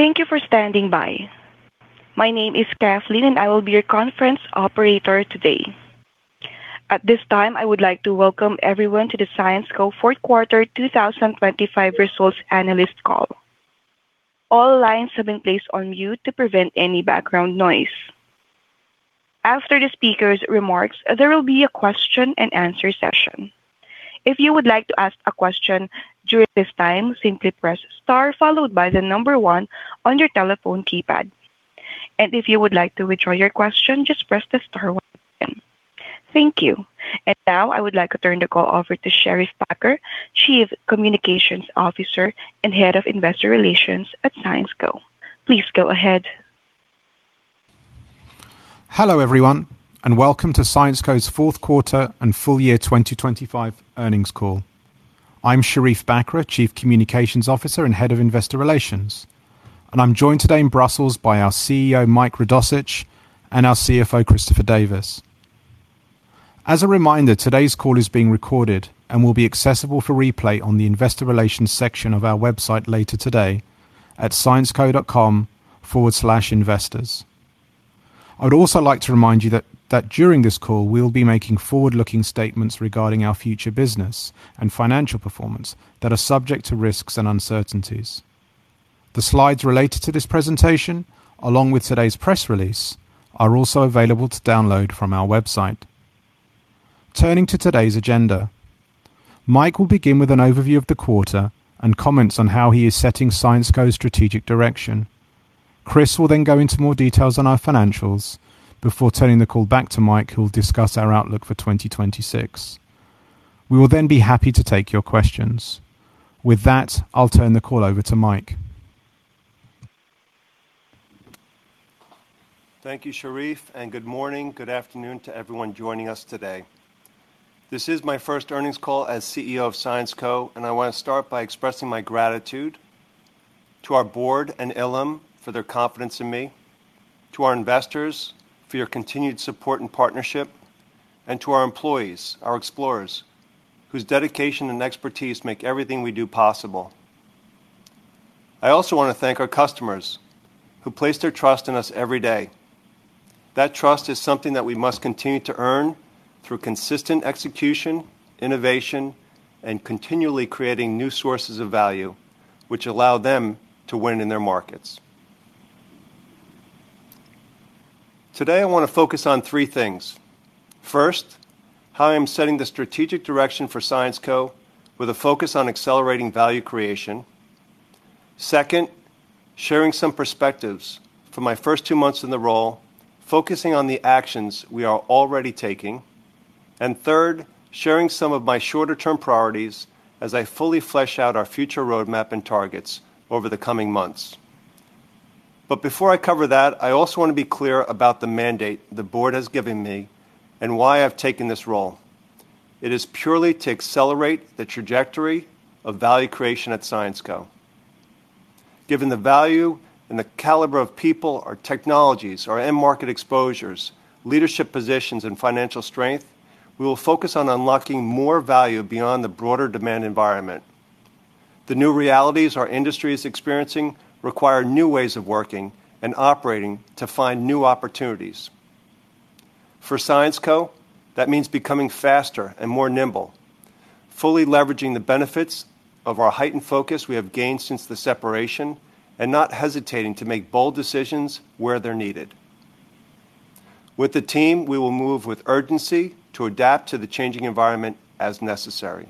Thank you for standing by. My name is Kathleen, I will be your conference operator today. At this time, I would like to welcome everyone to the Syensqo Fourth Quarter 2025 Results Analyst Call. All lines have been placed on mute to prevent any background noise. After the speaker's remarks, there will be a question and answer session. If you would like to ask a question during this time, simply press star followed by one on your telephone keypad. If you would like to withdraw your question, just press the star one. Thank you. Now I would like to turn the call over to Shérief Bakr, Chief Communications Officer and Head of Investor Relations at Syensqo. Please go ahead. Hello, everyone, welcome to Syensqo's fourth quarter and full year 2025 earnings call. I'm Sherief Bakr, Chief Communications Officer and Head of Investor Relations, and I'm joined today in Brussels by our CEO, Mike Radossich, and our CFO, Christopher Davis. As a reminder, today's call is being recorded and will be accessible for replay on the investor relations section of our website later today at syensqo.com/investors. I would also like to remind you that during this call, we'll be making forward-looking statements regarding our future business and financial performance that are subject to risks and uncertainties. The slides related to this presentation, along with today's press release, are also available to download from our website. Turning to today's agenda, Mike will begin with an overview of the quarter and comments on how he is setting Syensqo's strategic direction. Chris will then go into more details on our financials before turning the call back to Mike, who will discuss our outlook for 2026. We will then be happy to take your questions. With that, I'll turn the call over to Mike. Thank you, Sherief, and good morning. Good afternoon to everyone joining us today. This is my first earnings call as CEO of Syensqo, and I want to start by expressing my gratitude to our board and Ilham for their confidence in me, to our investors for your continued support and partnership, and to our employees, our explorers, whose dedication and expertise make everything we do possible. I also want to thank our customers who place their trust in us every day. That trust is something that we must continue to earn through consistent execution, innovation, and continually creating new sources of value which allow them to win in their markets. Today, I want to focus on three things. First, how I am setting the strategic direction for Syensqo with a focus on accelerating value creation. Second, sharing some perspectives from my first two months in the role, focusing on the actions we are already taking. Third, sharing some of my shorter-term priorities as I fully flesh out our future roadmap and targets over the coming months. Before I cover that, I also want to be clear about the mandate the board has given me and why I've taken this role. It is purely to accelerate the trajectory of value creation at Syensqo. Given the value and the caliber of people, our technologies, our end market exposures, leadership positions, and financial strength, we will focus on unlocking more value beyond the broader demand environment. The new realities our industry is experiencing require new ways of working and operating to find new opportunities. For Syensqo, that means becoming faster and more nimble, fully leveraging the benefits of our heightened focus we have gained since the separation, and not hesitating to make bold decisions where they're needed. With the team, we will move with urgency to adapt to the changing environment as necessary.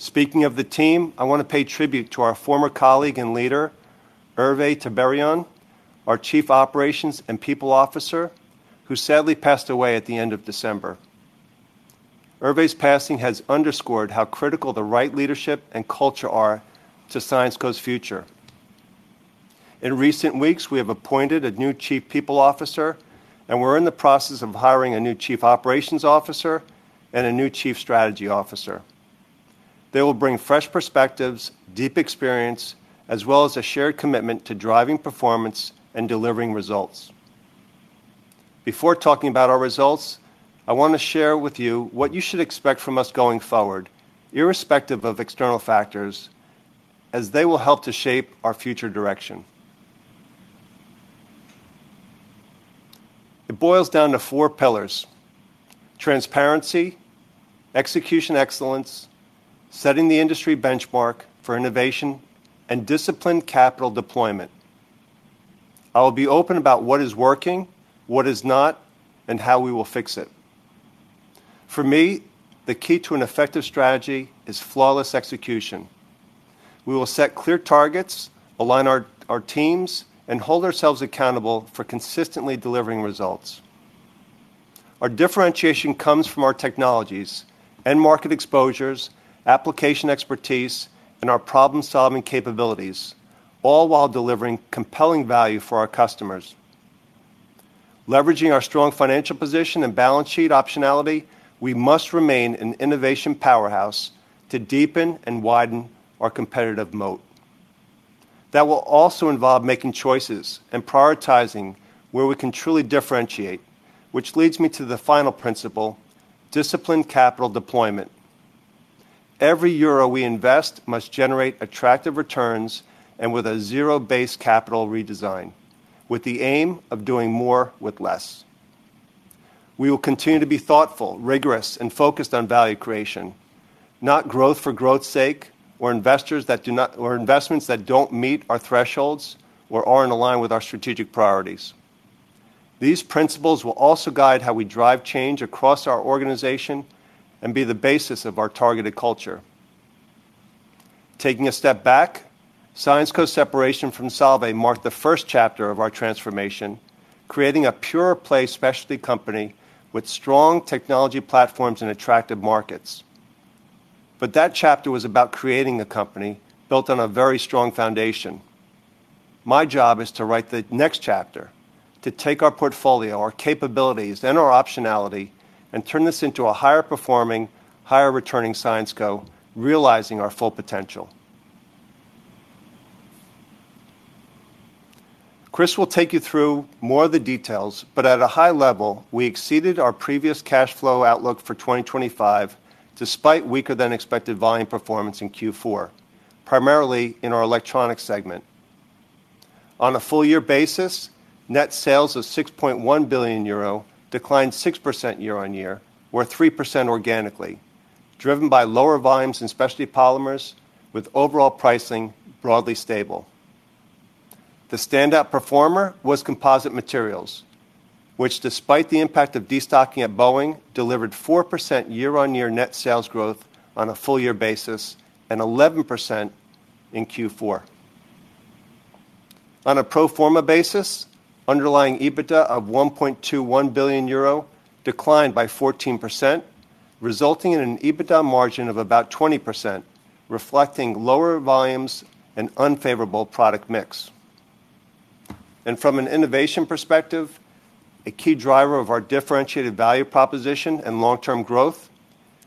Speaking of the team, I want to pay tribute to our former colleague and leader, Hervé Tiberghien, our Chief Operations and People Officer, who sadly passed away at the end of December. Hervé's passing has underscored how critical the right leadership and culture are to Syensqo's future. In recent weeks, we have appointed a new Chief People Officer, and we're in the process of hiring a new Chief Operations Officer and a new Chief Strategy Officer. They will bring fresh perspectives, deep experience, as well as a shared commitment to driving performance and delivering results. Before talking about our results, I want to share with you what you should expect from us going forward, irrespective of external factors, as they will help to shape our future direction. It boils down to four pillars: transparency, execution excellence, setting the industry benchmark for innovation, and disciplined capital deployment. I will be open about what is working, what is not, and how we will fix it. For me, the key to an effective strategy is flawless execution. We will set clear targets, align our teams, and hold ourselves accountable for consistently delivering results. Our differentiation comes from our technologies, end market exposures, application expertise, and our problem-solving capabilities, all while delivering compelling value for our customers. Leveraging our strong financial position and balance sheet optionality, we must remain an innovation powerhouse to deepen and widen our competitive moat. That will also involve making choices and prioritizing where we can truly differentiate, which leads me to the final principle: disciplined capital deployment. Every EUR we invest must generate attractive returns and with a zero-based redesign, with the aim of doing more with less. We will continue to be thoughtful, rigorous, and focused on value creation, not growth for growth's sake or investments that don't meet our thresholds or aren't aligned with our strategic priorities. These principles will also guide how we drive change across our organization and be the basis of our targeted culture. Taking a step back, Syensqo's separation from Solvay marked the first chapter of our transformation, creating a pure-play specialty company with strong technology platforms and attractive markets. That chapter was about creating a company built on a very strong foundation. My job is to write the next chapter, to take our portfolio, our capabilities, and our optionality, and turn this into a higher-performing, higher-returning Syensqo, realizing our full potential. Chris will take you through more of the details, but at a high level, we exceeded our previous cash flow outlook for 2025, despite weaker-than-expected volume performance in Q4, primarily in our Electronics segment. On a full-year basis, net sales of 6.1 billion euro declined 6% year-on-year, or 3% organically, driven by lower volumes in Specialty Polymers, with overall pricing broadly stable. The standout performer was Composite Materials, which, despite the impact of destocking at Boeing, delivered 4% year-on-year net sales growth on a full-year basis and 11% in Q4. On a pro forma basis, underlying EBITDA of 1.21 billion euro declined by 14%, resulting in an EBITDA margin of about 20%, reflecting lower volumes and unfavorable product mix. From an innovation perspective, a key driver of our differentiated value proposition and long-term growth,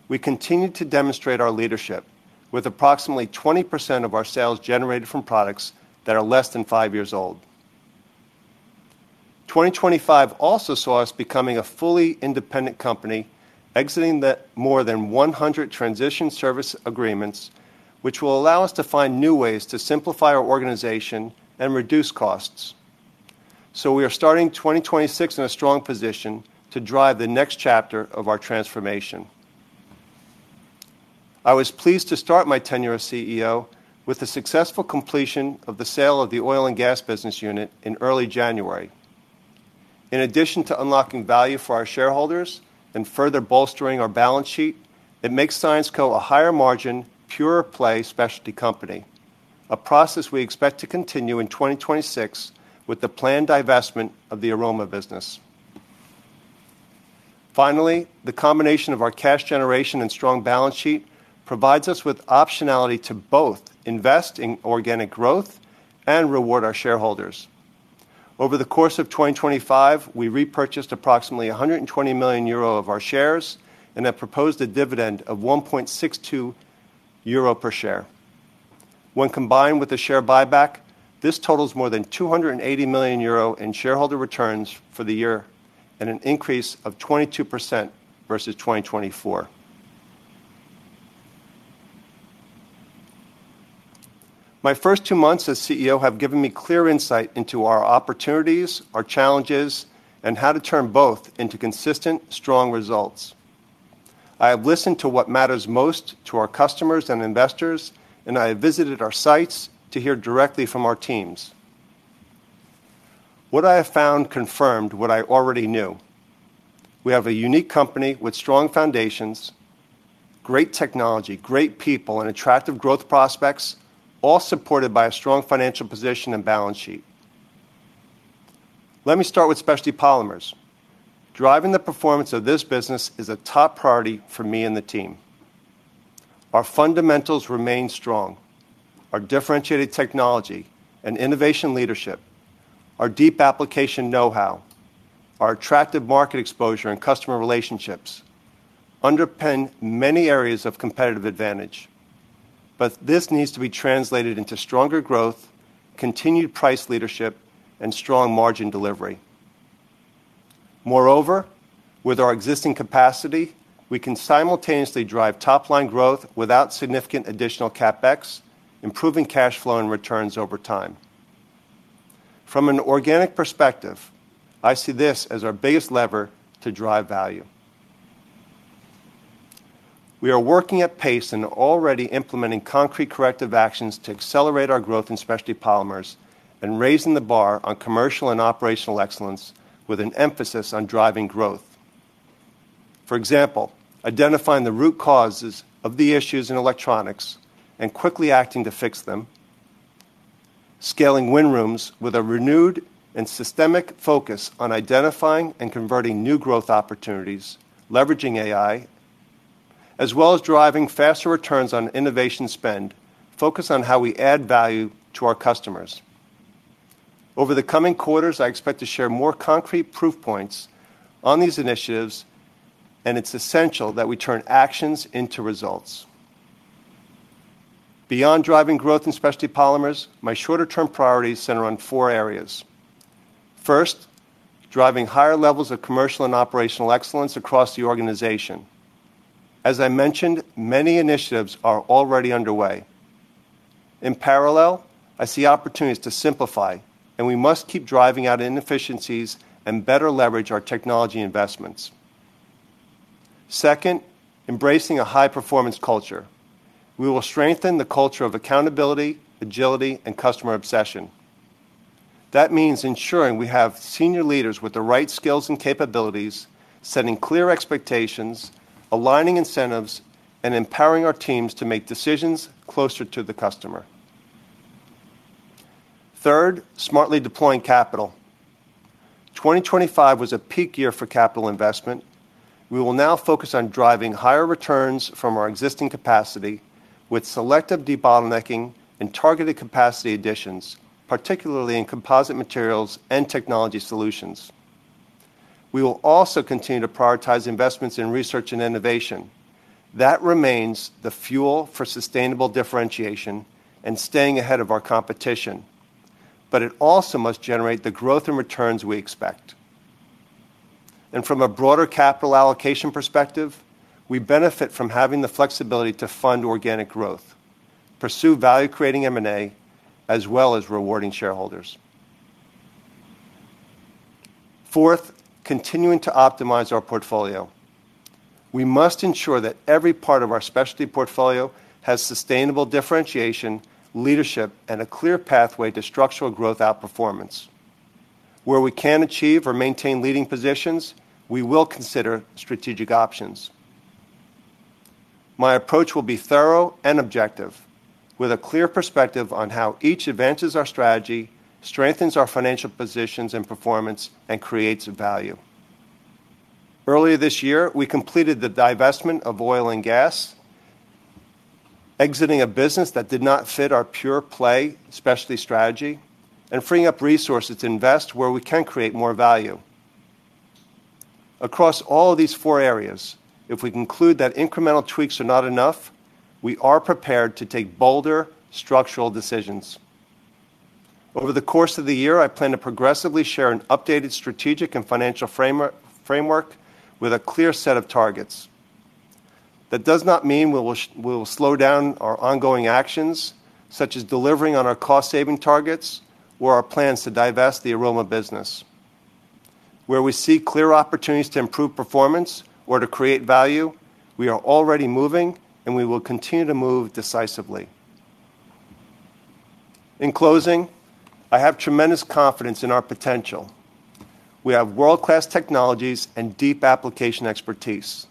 we continued to demonstrate our leadership, with approximately 20% of our sales generated from products that are less than five years old. 2025 also saw us becoming a fully independent company, exiting the more than 100 transition service agreements, which will allow us to find new ways to simplify our organization and reduce costs. We are starting 2026 in a strong position to drive the next chapter of our transformation. I was pleased to start my tenure as CEO with the successful completion of the sale of the Oil & Gas business unit in early January. In addition to unlocking value for our shareholders and further bolstering our balance sheet, it makes Syensqo a higher-margin, pure-play specialty company, a process we expect to continue in 2026 with the planned divestment of the Aroma business. Finally, the combination of our cash generation and strong balance sheet provides us with optionality to both invest in organic growth and reward our shareholders. Over the course of 2025, we repurchased approximately 120 million euro of our shares and have proposed a dividend of 1.62 euro per share. When combined with the share buyback, this totals more than 280 million euro in shareholder returns for the year and an increase of 22% versus 2024. My first two months as CEO have given me clear insight into our opportunities, our challenges, and how to turn both into consistent, strong results. I have listened to what matters most to our customers and investors. I have visited our sites to hear directly from our teams. What I have found confirmed what I already knew. We have a unique company with strong foundations, great technology, great people, and attractive growth prospects, all supported by a strong financial position and balance sheet. Let me start with Specialty Polymers. Driving the performance of this business is a top priority for me and the team. Our fundamentals remain strong. Our differentiated technology and innovation leadership, our deep application know-how, our attractive market exposure and customer relationships underpin many areas of competitive advantage. This needs to be translated into stronger growth, continued price leadership, and strong margin delivery. Moreover, with our existing capacity, we can simultaneously drive top-line growth without significant additional CapEx, improving cash flow and returns over time. From an organic perspective, I see this as our biggest lever to drive value. We are working at pace and are already implementing concrete corrective actions to accelerate our growth in Specialty Polymers and raising the bar on commercial and operational excellence with an emphasis on driving growth. For example, identifying the root causes of the issues in Electronics and quickly acting to fix them, scaling win rooms with a renewed and systemic focus on identifying and converting new growth opportunities, leveraging AI, as well as driving faster returns on innovation spend, focused on how we add value to our customers. Over the coming quarters, I expect to share more concrete proof points on these initiatives, and it's essential that we turn actions into results. Beyond driving growth in Specialty Polymers, my shorter-term priorities center on four areas. First, driving higher levels of commercial and operational excellence across the organization. As I mentioned, many initiatives are already underway. In parallel, I see opportunities to simplify, and we must keep driving out inefficiencies and better leverage our technology investments. Second, embracing a high-performance culture. We will strengthen the culture of accountability, agility, and customer obsession. That means ensuring we have senior leaders with the right skills and capabilities, setting clear expectations, aligning incentives, and empowering our teams to make decisions closer to the customer. Third, smartly deploying capital. 2025 was a peak year for capital investment. We will now focus on driving higher returns from our existing capacity with selective debottlenecking and targeted capacity additions, particularly in Composite Materials and Technology Solutions. We will also continue to prioritize investments in research and innovation. That remains the fuel for sustainable differentiation and staying ahead of our competition, but it also must generate the growth and returns we expect. From a broader capital allocation perspective, we benefit from having the flexibility to fund organic growth, pursue value-creating M&A, as well as rewarding shareholders. Fourth, continuing to optimize our portfolio. We must ensure that every part of our specialty portfolio has sustainable differentiation, leadership, and a clear pathway to structural growth outperformance. Where we can achieve or maintain leading positions, we will consider strategic options. My approach will be thorough and objective, with a clear perspective on how each advances our strategy, strengthens our financial positions and performance, and creates value. Earlier this year, we completed the divestment of Oil & Gas, exiting a business that did not fit our pure-play specialty strategy and freeing up resources to invest where we can create more value. Across all of these four areas, if we conclude that incremental tweaks are not enough, we are prepared to take bolder, structural decisions. Over the course of the year, I plan to progressively share an updated strategic and financial framework with a clear set of targets. That does not mean we will slow down our ongoing actions, such as delivering on our cost-saving targets or our plans to divest the Aroma business. Where we see clear opportunities to improve performance or to create value, we are already moving, and we will continue to move decisively. In closing, I have tremendous confidence in our potential. We have world-class technologies and deep application expertise,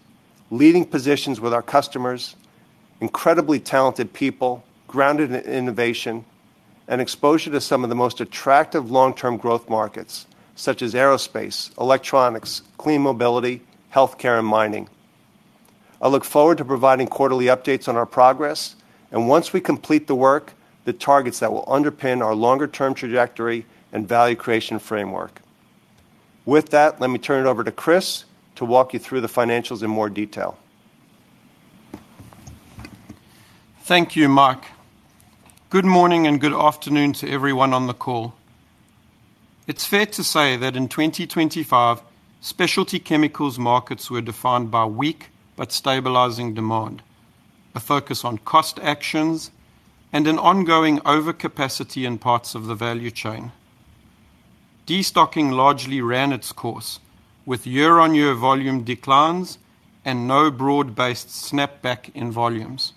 leading positions with our customers, incredibly talented people, grounded in innovation, and exposure to some of the most attractive long-term growth markets, such as aerospace, electronics, clean mobility, healthcare, and mining. I look forward to providing quarterly updates on our progress, and once we complete the work, the targets that will underpin our longer-term trajectory and value creation framework. With that, let me turn it over to Chris to walk you through the financials in more detail. Thank you, Mike. Good morning, and good afternoon to everyone on the call. It's fair to say that in 2025, specialty chemicals markets were defined by weak but stabilizing demand, a focus on cost actions, and an ongoing overcapacity in parts of the value chain. Destocking largely ran its course, with year-on-year volume declines and no broad-based snapback in volumes.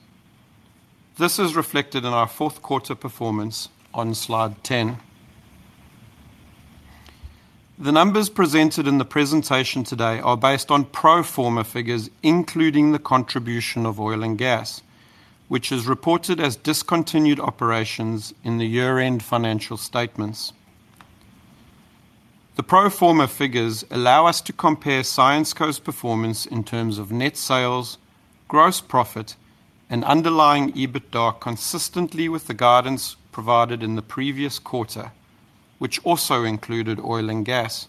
This is reflected in our fourth quarter performance on Slide 10. The numbers presented in the presentation today are based on pro forma figures, including the contribution of Oil & Gas, which is reported as discontinued operations in the year-end financial statements. The pro forma figures allow us to compare Syensqo performance in terms of net sales, gross profit, and underlying EBITDA, consistently with the guidance provided in the previous quarter, which also included Oil & Gas.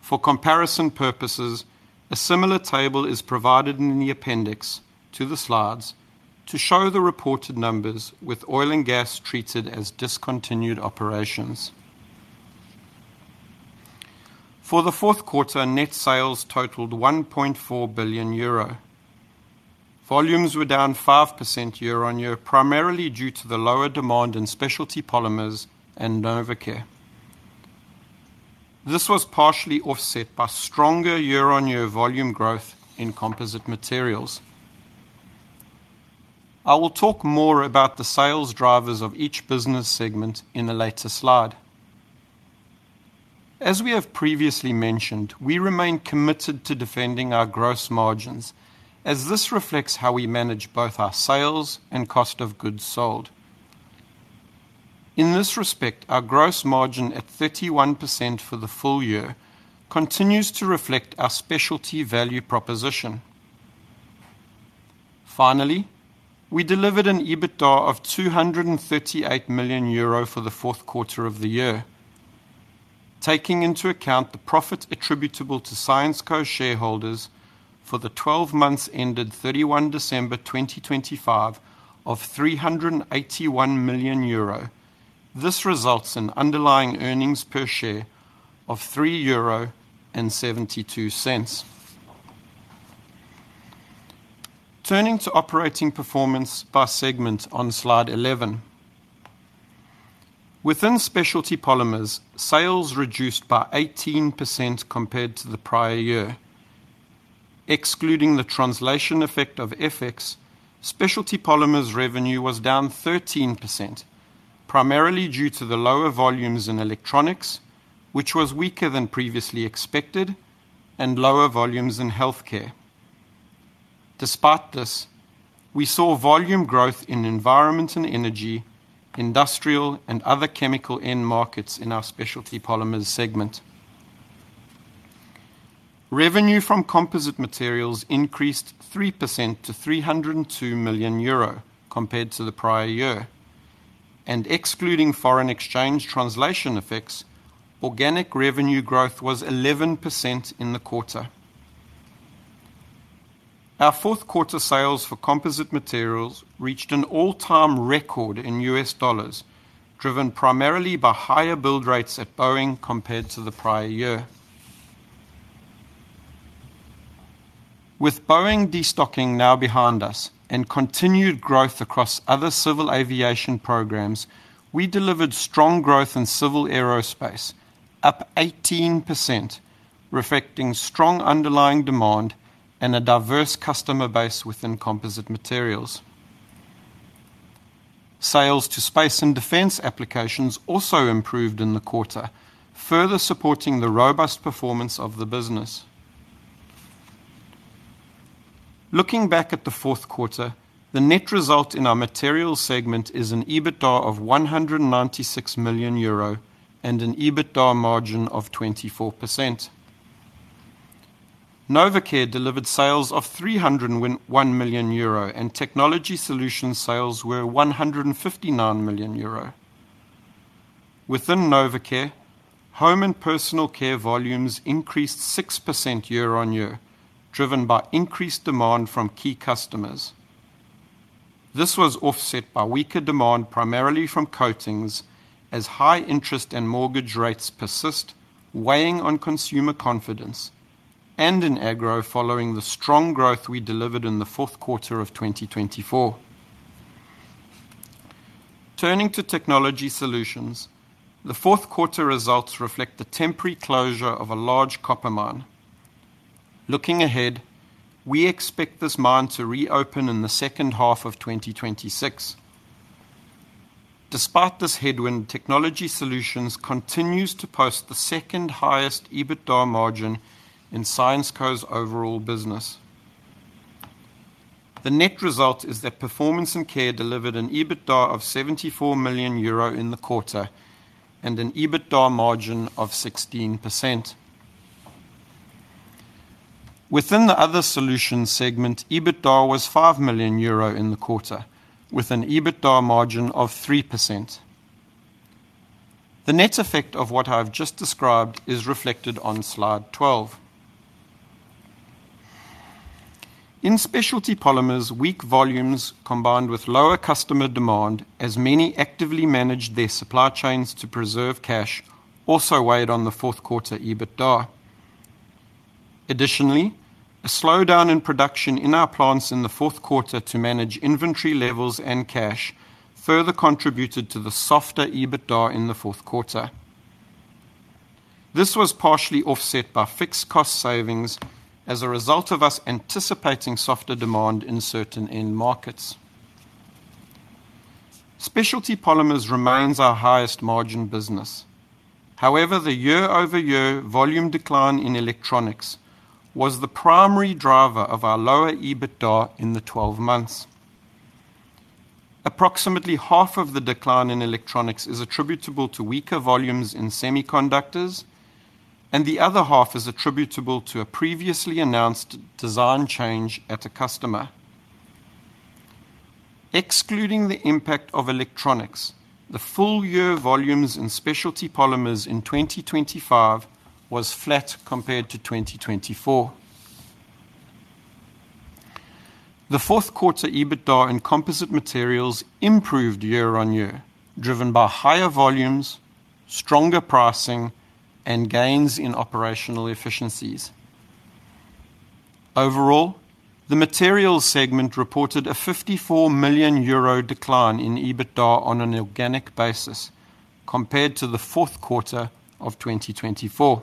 For comparison purposes, a similar table is provided in the appendix to the slides to show the reported numbers, with Oil & Gas treated as discontinued operations. For the fourth quarter, net sales totaled 1.4 billion euro. Volumes were down 5% year-on-year, primarily due to the lower demand in Specialty Polymers and Novecare. This was partially offset by stronger year-on-year volume growth in Composite Materials. I will talk more about the sales drivers of each business segment in a later slide. As we have previously mentioned, we remain committed to defending our gross margins, as this reflects how we manage both our sales and cost of goods sold. In this respect, our gross margin at 31% for the full year continues to reflect our specialty value proposition. Finally, we delivered an EBITDA of 238 million euro for the fourth quarter of the year. Taking into account the profit attributable to Syensqo shareholders for the 12 months ended 31 December, 2025, of 381 million euro. This results in underlying earnings per share of 3.72 euro. Turning to operating performance by segment on slide 11. Within Specialty Polymers, sales reduced by 18% compared to the prior year. Excluding the translation effect of FX, Specialty Polymers revenue was down 13%, primarily due to the lower volumes in electronics, which was weaker than previously expected, and lower volumes in healthcare. Despite this, we saw volume growth in environment and energy, industrial, and other chemical end markets in our Specialty Polymers segment. Revenue from Composite Materials increased 3% to 302 million euro compared to the prior year, and excluding foreign exchange translation effects, organic revenue growth was 11% in the quarter. Our fourth quarter sales for Composite Materials reached an all-time record in US dollars, driven primarily by higher build rates at Boeing compared to the prior year. With Boeing destocking now behind us and continued growth across other civil aviation programs, we delivered strong growth in civil aerospace, up 18%, reflecting strong underlying demand and a diverse customer base within Composite Materials. Sales to space and defense applications also improved in the quarter, further supporting the robust performance of the business. Looking back at the fourth quarter, the net result in our Materials segment is an EBITDA of 196 million euro and an EBITDA margin of 24%. Novecare delivered sales of 301 million euro, and Technology Solutions sales were 159 million euro. Within Novecare, home and personal care volumes increased 6% year-on-year, driven by increased demand from key customers. This was offset by weaker demand, primarily from coatings, as high interest and mortgage rates persist, weighing on consumer confidence, and in agro, following the strong growth we delivered in the fourth quarter of 2024. Turning to Technology Solutions, the fourth quarter results reflect the temporary closure of a large copper mine. Looking ahead, we expect this mine to reopen in the second half of 2026. Despite this headwind, Technology Solutions continues to post the second-highest EBITDA margin in Syensqo's overall business. The net result is that Performance & Care delivered an EBITDA of 74 million euro in the quarter and an EBITDA margin of 16%. Within the Other Solutions segment, EBITDA was 5 million euro in the quarter, with an EBITDA margin of 3%. The net effect of what I've just described is reflected on slide 12. In Specialty Polymers, weak volumes combined with lower customer demand, as many actively managed their supply chains to preserve cash, also weighed on the fourth quarter EBITDA. Additionally, a slowdown in production in our plants in the fourth quarter to manage inventory levels and cash further contributed to the softer EBITDA in the fourth quarter. This was partially offset by fixed cost savings as a result of us anticipating softer demand in certain end markets. Specialty Polymers remains our highest margin business. However, the year-over-year volume decline in electronics was the primary driver of our lower EBITDA in the 12 months. Approximately half of the decline in electronics is attributable to weaker volumes in semiconductors, and the other half is attributable to a previously announced design change at a customer. Excluding the impact of electronics, the full year volumes in Specialty Polymers in 2025 was flat compared to 2024. The fourth quarter EBITDA in Composite Materials improved year-on-year, driven by higher volumes, stronger pricing, and gains in operational efficiencies. Overall, the Materials segment reported a 54 million euro decline in EBITDA on an organic basis compared to the fourth quarter of 2024.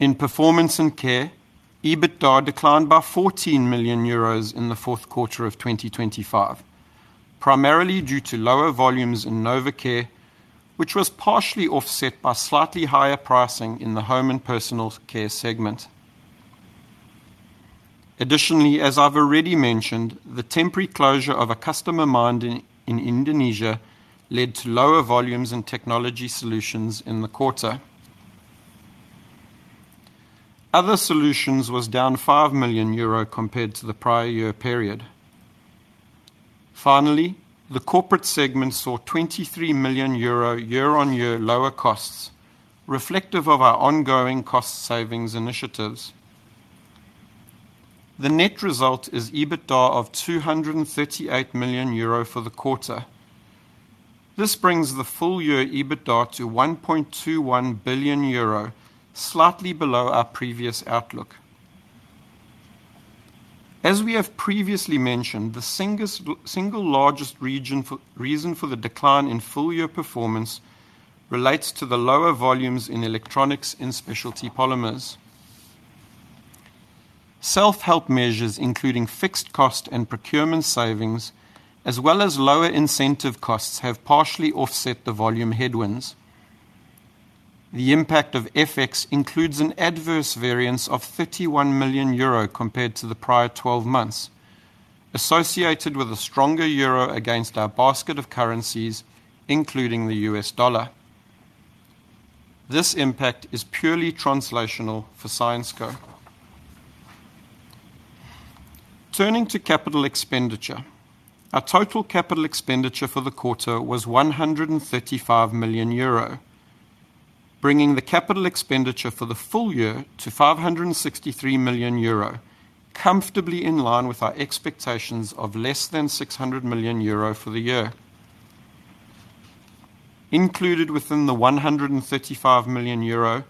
In Performance & Care, EBITDA declined by 14 million euros in the fourth quarter of 2025, primarily due to lower volumes in Novecare, which was partially offset by slightly higher pricing in the home and personal care segment. As I've already mentioned, the temporary closure of a customer mine in Indonesia led to lower volumes and Technology Solutions in the quarter. Other Solutions was down 5 million euro compared to the prior year period. The corporate segment saw 23 million euro year-on-year lower costs, reflective of our ongoing cost savings initiatives. The net result is EBITDA of 238 million euro for the quarter. This brings the full year EBITDA to 1.21 billion euro, slightly below our previous outlook. We have previously mentioned, the single largest reason for the decline in full-year performance relates to the lower volumes in electronics and Specialty Polymers. Self-help measures, including fixed cost and procurement savings, as well as lower incentive costs, have partially offset the volume headwinds. The impact of FX includes an adverse variance of 31 million euro compared to the prior 12 months, associated with a stronger euro against our basket of currencies, including the US dollar. This impact is purely translational for Syensqo. Turning to capital expenditure, our total capital expenditure for the quarter was 135 million euro, bringing the capital expenditure for the full year to 563 million euro, comfortably in line with our expectations of less than 600 million euro for the year. Included within the 135 million euro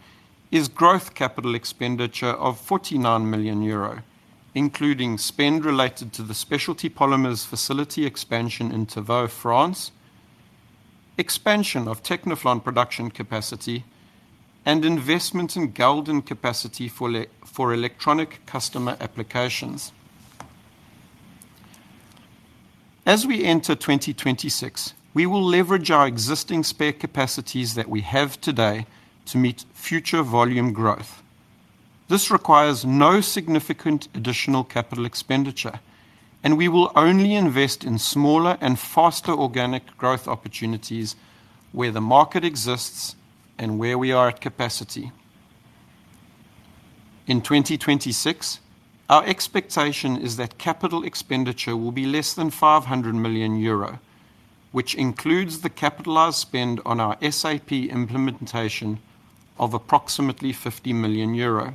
is growth capital expenditure of 49 million euro, including spend related to the Specialty Polymers facility expansion in Tavaux, France, expansion of Tecnoflon production capacity, and investment in Galden capacity for electronic customer applications. As we enter 2026, we will leverage our existing spare capacities that we have today to meet future volume growth. This requires no significant additional capital expenditure. We will only invest in smaller and faster organic growth opportunities where the market exists and where we are at capacity. In 2026, our expectation is that capital expenditure will be less than 500 million euro, which includes the capitalized spend on our SAP implementation of approximately 50 million euro.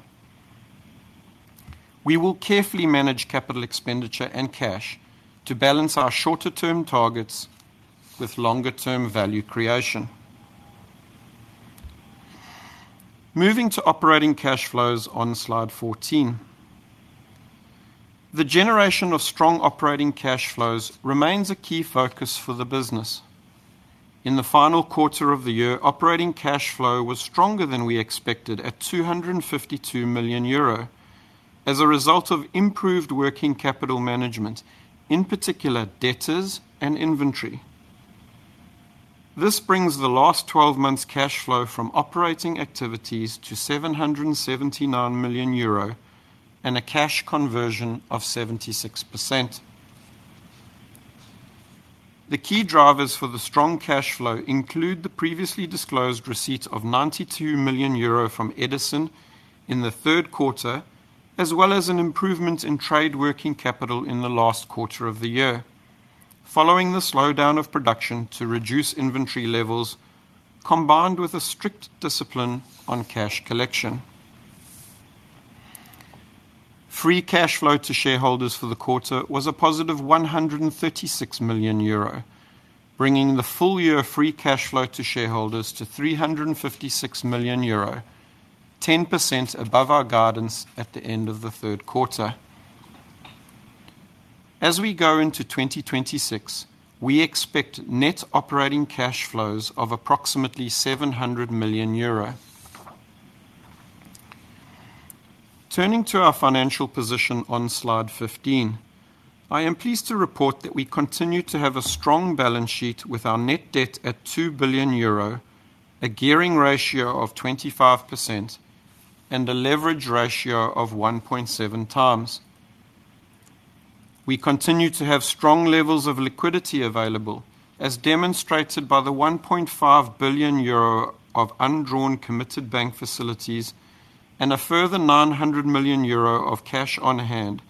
We will carefully manage capital expenditure and cash to balance our shorter-term targets with longer-term value creation. Moving to operating cash flows on slide 14. The generation of strong operating cash flows remains a key focus for the business. In the final quarter of the year, operating cash flow was stronger than we expected at 252 million euro as a result of improved working capital management, in particular, debtors and inventory. This brings the last 12 months cash flow from operating activities to 779 million euro and a cash conversion of 76%. The key drivers for the strong cash flow include the previously disclosed receipt of 92 million euro from Edison in the third quarter, as well as an improvement in trade working capital in the last quarter of the year, following the slowdown of production to reduce inventory levels, combined with a strict discipline on cash collection. Free cash flow to shareholders for the quarter was a positive 136 million euro, bringing the full-year free cash flow to shareholders to 356 million euro, 10% above our guidance at the end of the third quarter. As we go into 2026, we expect net operating cash flows of approximately 700 million euro. Turning to our financial position on slide 15, I am pleased to report that we continue to have a strong balance sheet with our net debt at 2 billion euro, a gearing ratio of 25%, and a leverage ratio of 1.7x. We continue to have strong levels of liquidity available, as demonstrated by the 1.5 billion euro of undrawn committed bank facilities and a further 900 million euro of cash on hand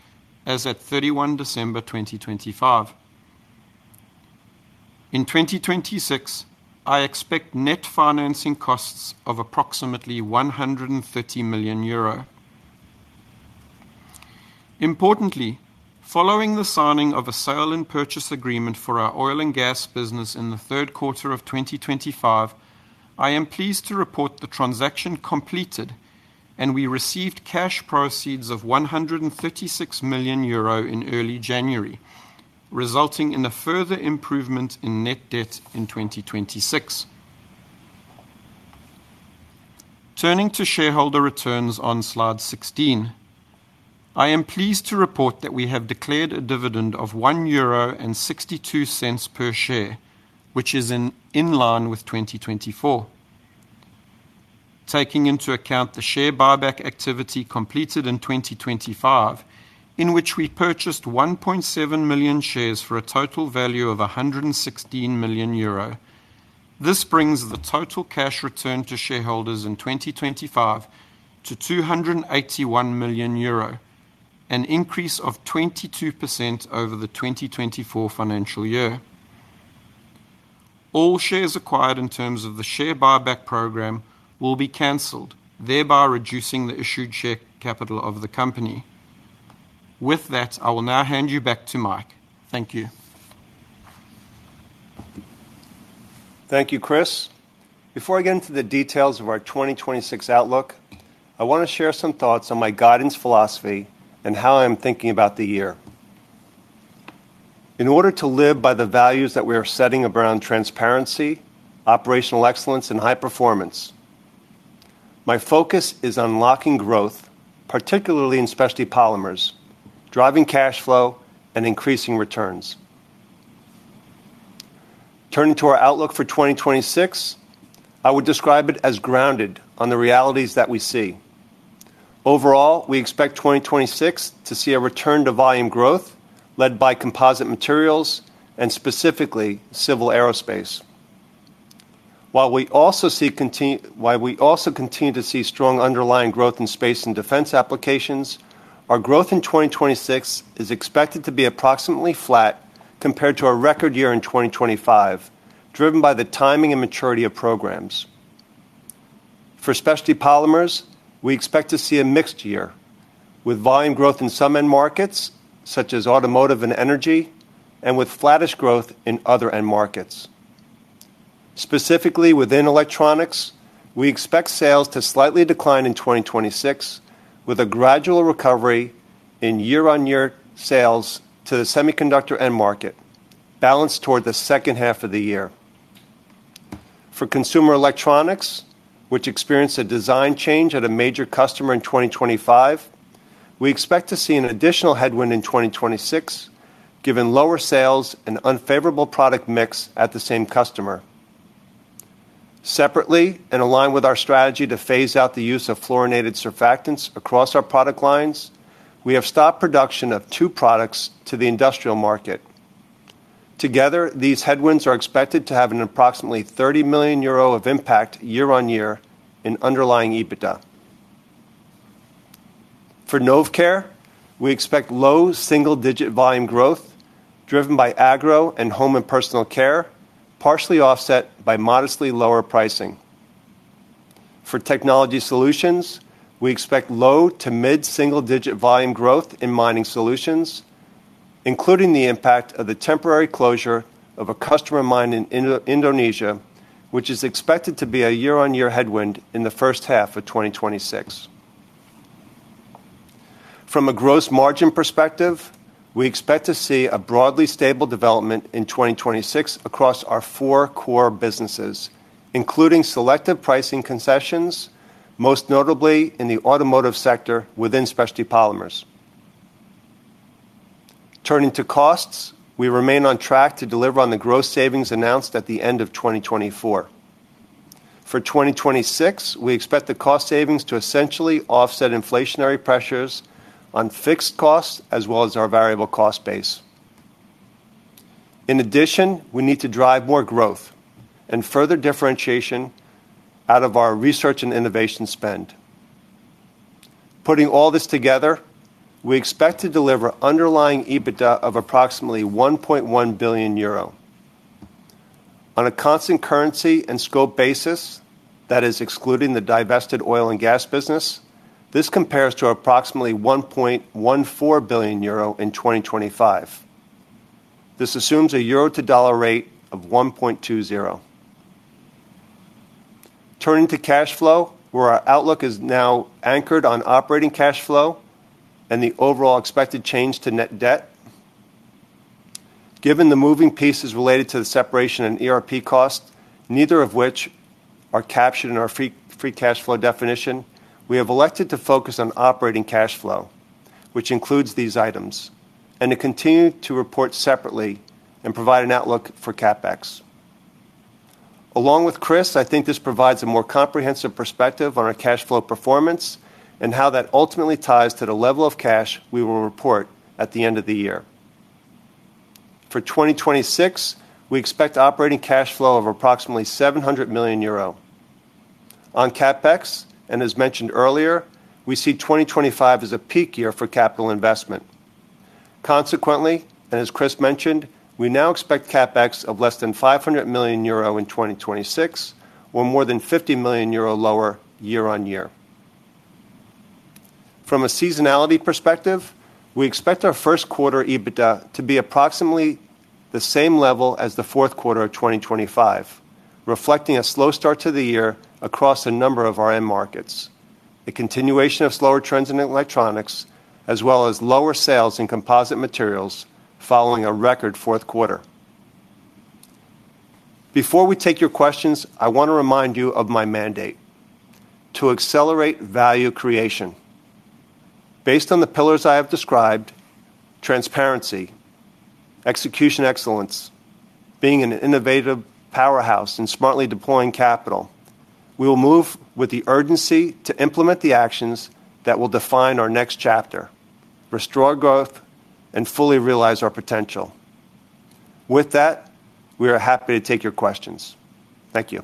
as at 31 December 2025. In 2026, I expect net financing costs of approximately 130 million euro. Importantly, following the signing of a sale and purchase agreement for our Oil & Gas business in the third quarter of 2025, I am pleased to report the transaction completed, and we received cash proceeds of 136 million euro in early January, resulting in a further improvement in net debt in 2026. Turning to shareholder returns on slide 16, I am pleased to report that we have declared a dividend of 1.62 euro per share, which is in line with 2024. Taking into account the share buyback activity completed in 2025, in which we purchased 1.7 million shares for a total value of 116 million euro.... This brings the total cash return to shareholders in 2025 to 281 million euro, an increase of 22% over the 2024 financial year. All shares acquired in terms of the share buyback program will be canceled, thereby reducing the issued share capital of the company. With that, I will now hand you back to Mike. Thank you. Thank you, Chris. Before I get into the details of our 2026 outlook, I want to share some thoughts on my guidance philosophy and how I'm thinking about the year. In order to live by the values that we are setting around transparency, operational excellence, and high performance, my focus is on unlocking growth, particularly in Specialty Polymers, driving cash flow, and increasing returns. Turning to our outlook for 2026, I would describe it as grounded on the realities that we see. Overall, we expect 2026 to see a return to volume growth led by Composite Materials and specifically civil aerospace. While we also continue to see strong underlying growth in space and defense applications, our growth in 2026 is expected to be approximately flat compared to our record year in 2025, driven by the timing and maturity of programs. For Specialty Polymers, we expect to see a mixed year, with volume growth in some end markets, such as automotive and energy, and with flattish growth in other end markets. Specifically, within electronics, we expect sales to slightly decline in 2026, with a gradual recovery in year-on-year sales to the semiconductor end market, balanced toward the second half of the year. For consumer electronics, which experienced a design change at a major customer in 2025, we expect to see an additional headwind in 2026, given lower sales and unfavorable product mix at the same customer. Separately, and aligned with our strategy to phase out the use of fluorinated surfactants across our product lines, we have stopped production of two products to the industrial market. Together, these headwinds are expected to have an approximately 30 million euro of impact year on year in underlying EBITDA. For Novecare, we expect low single-digit volume growth, driven by agro and home and personal care, partially offset by modestly lower pricing. For Technology Solutions, we expect low to mid-single digit volume growth in mining solutions, including the impact of the temporary closure of a customer mine in Indonesia, which is expected to be a year-on-year headwind in the first half of 2026. From a gross margin perspective, we expect to see a broadly stable development in 2026 across our four core businesses, including selective pricing concessions, most notably in the automotive sector within Specialty Polymers. Turning to costs, we remain on track to deliver on the gross savings announced at the end of 2024. For 2026, we expect the cost savings to essentially offset inflationary pressures on fixed costs as well as our variable cost base. In addition, we need to drive more growth and further differentiation out of our research and innovation spend. Putting all this together, we expect to deliver underlying EBITDA of approximately 1.1 billion euro. On a constant currency and scope basis, that is excluding the divested Oil & Gas business, this compares to approximately 1.14 billion euro in 2025. This assumes a euro to dollar rate of 1.20. Turning to cash flow, where our outlook is now anchored on operating cash flow and the overall expected change to net debt. Given the moving pieces related to the separation and ERP costs, neither of which are captured in our free cash flow definition, we have elected to focus on operating cash flow, which includes these items, and to continue to report separately and provide an outlook for CapEx. Along with Chris, I think this provides a more comprehensive perspective on our cash flow performance and how that ultimately ties to the level of cash we will report at the end of the year. For 2026, we expect operating cash flow of approximately 700 million euro. On CapEx, as mentioned earlier, we see 2025 as a peak year for capital investment. Consequently, as Chris mentioned, we now expect CapEx of less than 500 million euro in 2026, or more than 50 million euro lower year-over-year. From a seasonality perspective, we expect our first quarter EBITDA to be approximately the same level as the fourth quarter of 2025, reflecting a slow start to the year across a number of our end markets, a continuation of slower trends in electronics, as well as lower sales in Composite Materials following a record fourth quarter. Before we take your questions, I want to remind you of my mandate: to accelerate value creation. Based on the pillars I have described, transparency, execution excellence, being an innovative powerhouse, and smartly deploying capital. We will move with the urgency to implement the actions that will define our next chapter, restore growth, and fully realize our potential. With that, we are happy to take your questions. Thank you.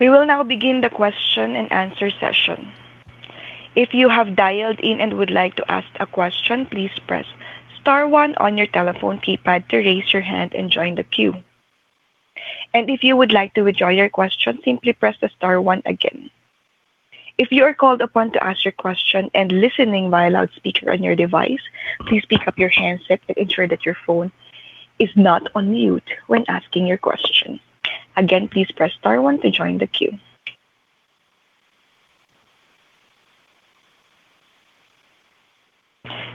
We will now begin the question and answer session. If you have dialed in and would like to ask a question, please press star one on your telephone keypad to raise your hand and join the queue. If you would like to withdraw your question, simply press the star one again. If you are called upon to ask your question and listening by loudspeaker on your device, please pick up your handset and ensure that your phone is not on mute when asking your question. Again, please press star one to join the queue.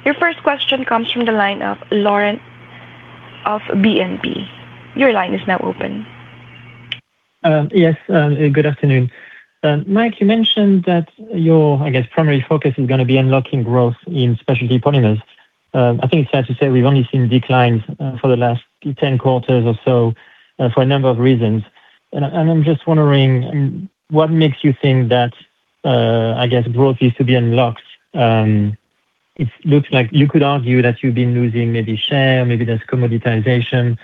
Your first question comes from the line of Laurent of BNP. Your line is now open. Yes, good afternoon. Mike, you mentioned that your, I guess, primary focus is going to be unlocking growth in Specialty Polymers. I think it's fair to say we've only seen declines, for the last 10 quarters or so, for a number of reasons. I'm just wondering, what makes you think that, I guess, growth is to be unlocked? It looks like you could argue that you've been losing maybe share, maybe there's commoditization.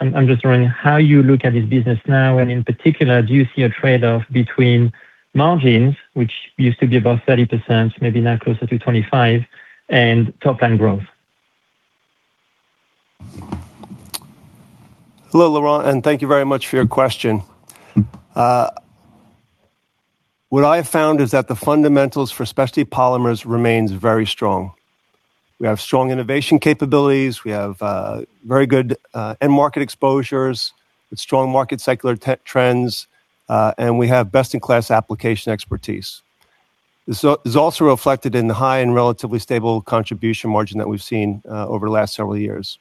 I'm just wondering how you look at this business now, and in particular, do you see a trade-off between margins, which used to be above 30%, maybe now closer to 25%, and top-line growth? Hello, Laurent, thank you very much for your question. What I have found is that the fundamentals for Specialty Polymers remains very strong. We have strong innovation capabilities. We have very good end market exposures with strong market secular trends, and we have best-in-class application expertise. This is also reflected in the high and relatively stable contribution margin that we've seen over the last several years.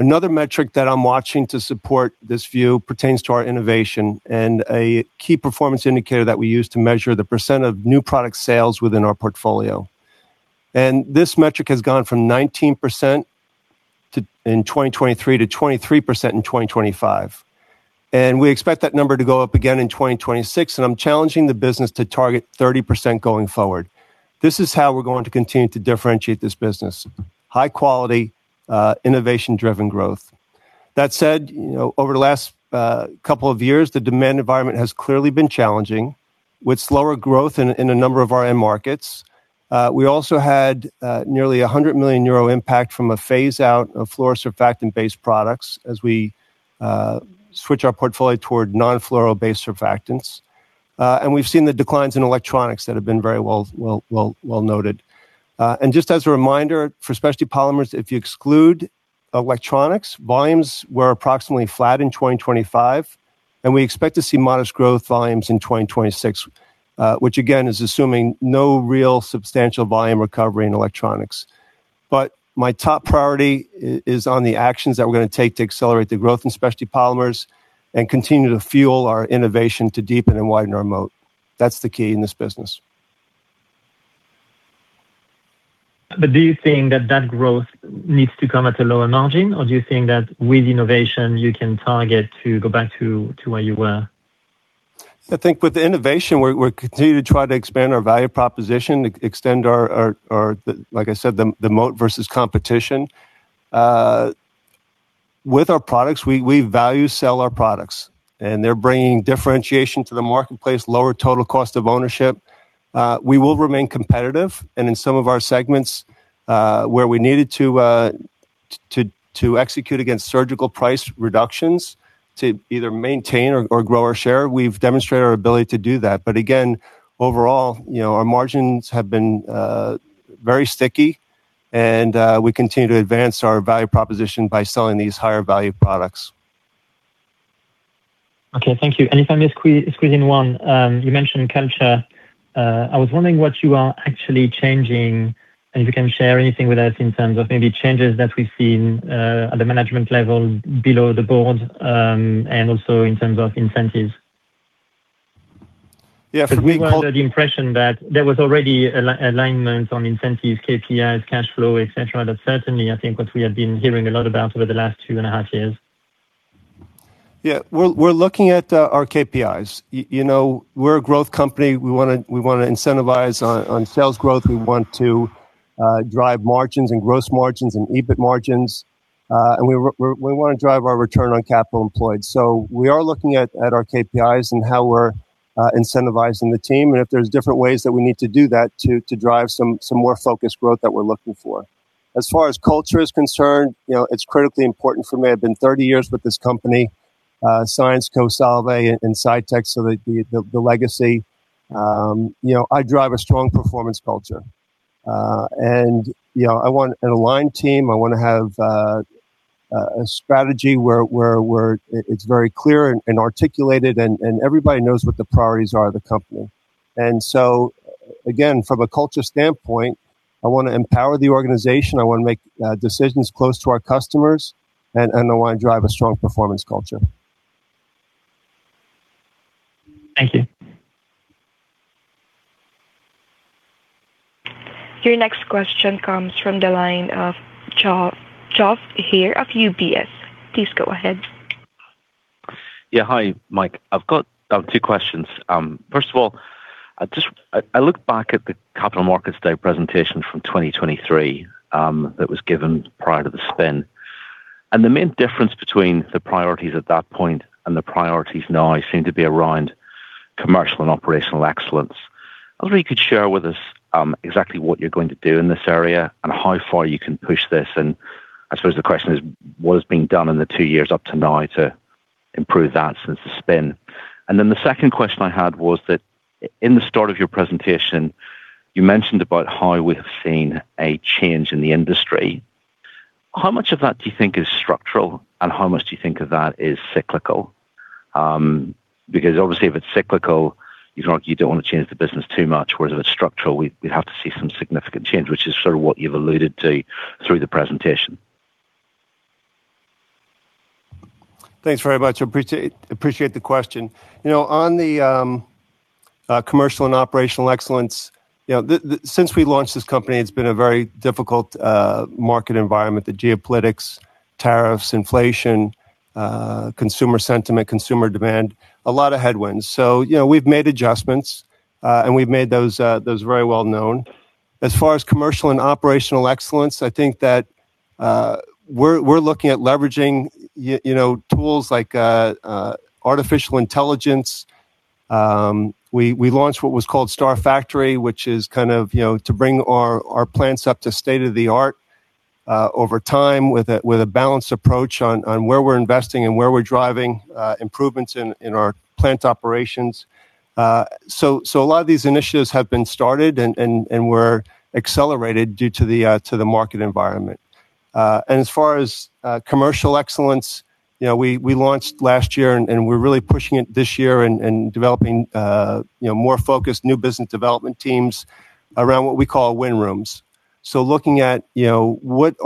Another metric that I'm watching to support this view pertains to our innovation and a KPI that we use to measure the % of new product sales within our portfolio. This metric has gone from 19% in 2023 to 23% in 2025, and we expect that number to go up again in 2026, and I'm challenging the business to target 30% going forward. This is how we're going to continue to differentiate this business: high quality, innovation-driven growth. That said, you know, over the last couple of years, the demand environment has clearly been challenging, with slower growth in a number of our end markets. We also had nearly 100 million euro impact from a phase out of fluorosurfactant-based products as we switch our portfolio toward non-fluoro-based surfactants. We've seen the declines in electronics that have been very well noted. Just as a reminder, for Specialty Polymers, if you exclude electronics, volumes were approximately flat in 2025. We expect to see modest growth volumes in 2026, which again, is assuming no real substantial volume recovery in electronics. My top priority is on the actions that we're going to take to accelerate the growth in Specialty Polymers and continue to fuel our innovation to deepen and widen our moat. That's the key in this business. Do you think that that growth needs to come at a lower margin, or do you think that with innovation, you can target to go back to where you were? I think with innovation, we're continuing to try to expand our value proposition, extend our, like I said, the moat versus competition. With our products, we value sell our products, and they're bringing differentiation to the marketplace, lower total cost of ownership. We will remain competitive and in some of our segments, where we needed to execute against surgical price reductions to either maintain or grow our share, we've demonstrated our ability to do that. Again, overall, you know, our margins have been very sticky, and we continue to advance our value proposition by selling these higher value products. Okay. Thank you. If I may squeeze in one, you mentioned culture. I was wondering what you are actually changing, and if you can share anything with us in terms of maybe changes that we've seen, at the management level, below the board, also in terms of incentives. Yeah, for. We were under the impression that there was already alignment on incentives, KPIs, cash flow, et cetera. That's certainly I think what we have been hearing a lot about over the last two and a half years. Yeah. We're looking at our KPIs. You know, we're a growth company. We want to incentivize on sales growth. We want to drive margins and gross margins and EBIT margins, and we want to drive our return on capital employed. So we are looking at our KPIs and how we're incentivizing the team, and if there's different ways that we need to do that to drive some more focused growth that we're looking for. As far as culture is concerned, you know, it's critically important for me. I've been 30 years with this company, Syensqo, Solvay and Cytec, so the legacy, you know, I drive a strong performance culture. And, you know, I want an aligned team. I want to have a strategy where it's very clear and articulated, and everybody knows what the priorities are of the company. Again, from a culture standpoint, I want to empower the organization, I want to make decisions close to our customers, and I want to drive a strong performance culture. Thank you. Your next question comes from the line of Geoff Haire of UBS. Please go ahead. Yeah. Hi, Mike. I've got two questions. First of all, I look back at the Capital Markets Day presentation from 2023 that was given prior to the spin. The main difference between the priorities at that point and the priorities now seem to be around commercial and operational excellence. I was wondering if you could share with us exactly what you're going to do in this area and how far you can push this? I suppose the question is, what has been done in the two years up to now to improve that since the spin? The second question I had was that, in the start of your presentation, you mentioned about how we have seen a change in the industry. How much of that do you think is structural, and how much do you think of that is cyclical? Obviously, if it's cyclical, you don't want to change the business too much, whereas if it's structural, we'd have to see some significant change, which is sort of what you've alluded to through the presentation. Thanks very much. I appreciate the question. You know, on the commercial and operational excellence, you know, since we launched this company, it's been a very difficult market environment. The geopolitics, tariffs, inflation, consumer sentiment, consumer demand, a lot of headwinds. You know, we've made adjustments, and we've made those very well known. As far as commercial and operational excellence, I think that we're looking at leveraging you know, tools like artificial intelligence. We launched what was called Star Factory, which is kind of, you know, to bring our plants up to state-of-the-art over time with a balanced approach on where we're investing and where we're driving improvements in our plant operations. A lot of these initiatives have been started and were accelerated due to the market environment. And as far as commercial excellence, you know, we launched last year, and we're really pushing it this year and developing, you know, more focused new business development teams around what we call win rooms. Looking at, you know, what's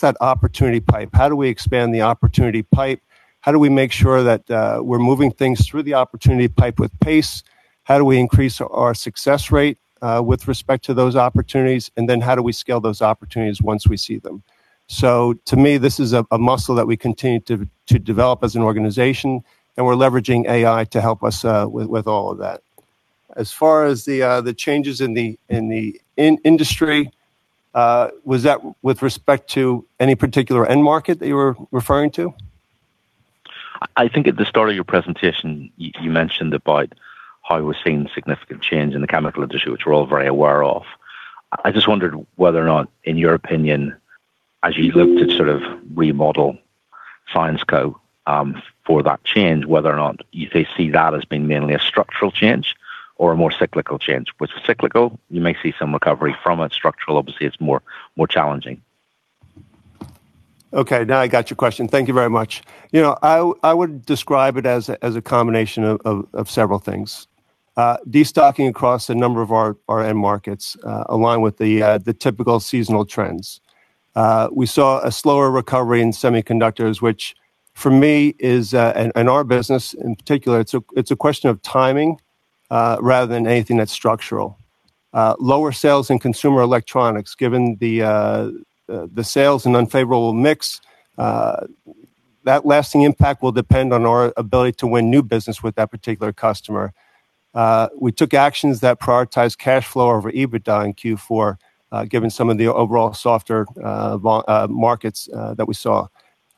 that opportunity pipe? How do we expand the opportunity pipe? How do we make sure that we're moving things through the opportunity pipe with pace? How do we increase our success rate with respect to those opportunities? How do we scale those opportunities once we see them? To me, this is a muscle that we continue to develop as an organization. We're leveraging AI to help us with all of that. As far as the changes in the industry, was that with respect to any particular end market that you were referring to? I think at the start of your presentation, you mentioned about how we're seeing significant change in the chemical industry, which we're all very aware of. I just wondered whether or not, in your opinion, as you look to sort of remodel Syensqo, for that change, whether or not you see that as being mainly a structural change or a more cyclical change? With cyclical, you may see some recovery from it. Structural, obviously, it's more challenging. Okay, now I got your question. Thank you very much. You know, I would describe it as a, as a combination of, of several things. Destocking across a number of our end markets, along with the typical seasonal trends. We saw a slower recovery in semiconductors, which for me is... In our business, in particular, it's a, it's a question of timing, rather than anything that's structural. Lower sales in consumer electronics, given the sales and unfavorable mix, that lasting impact will depend on our ability to win new business with that particular customer. We took actions that prioritized cash flow over EBITDA in Q4, given some of the overall softer markets that we saw.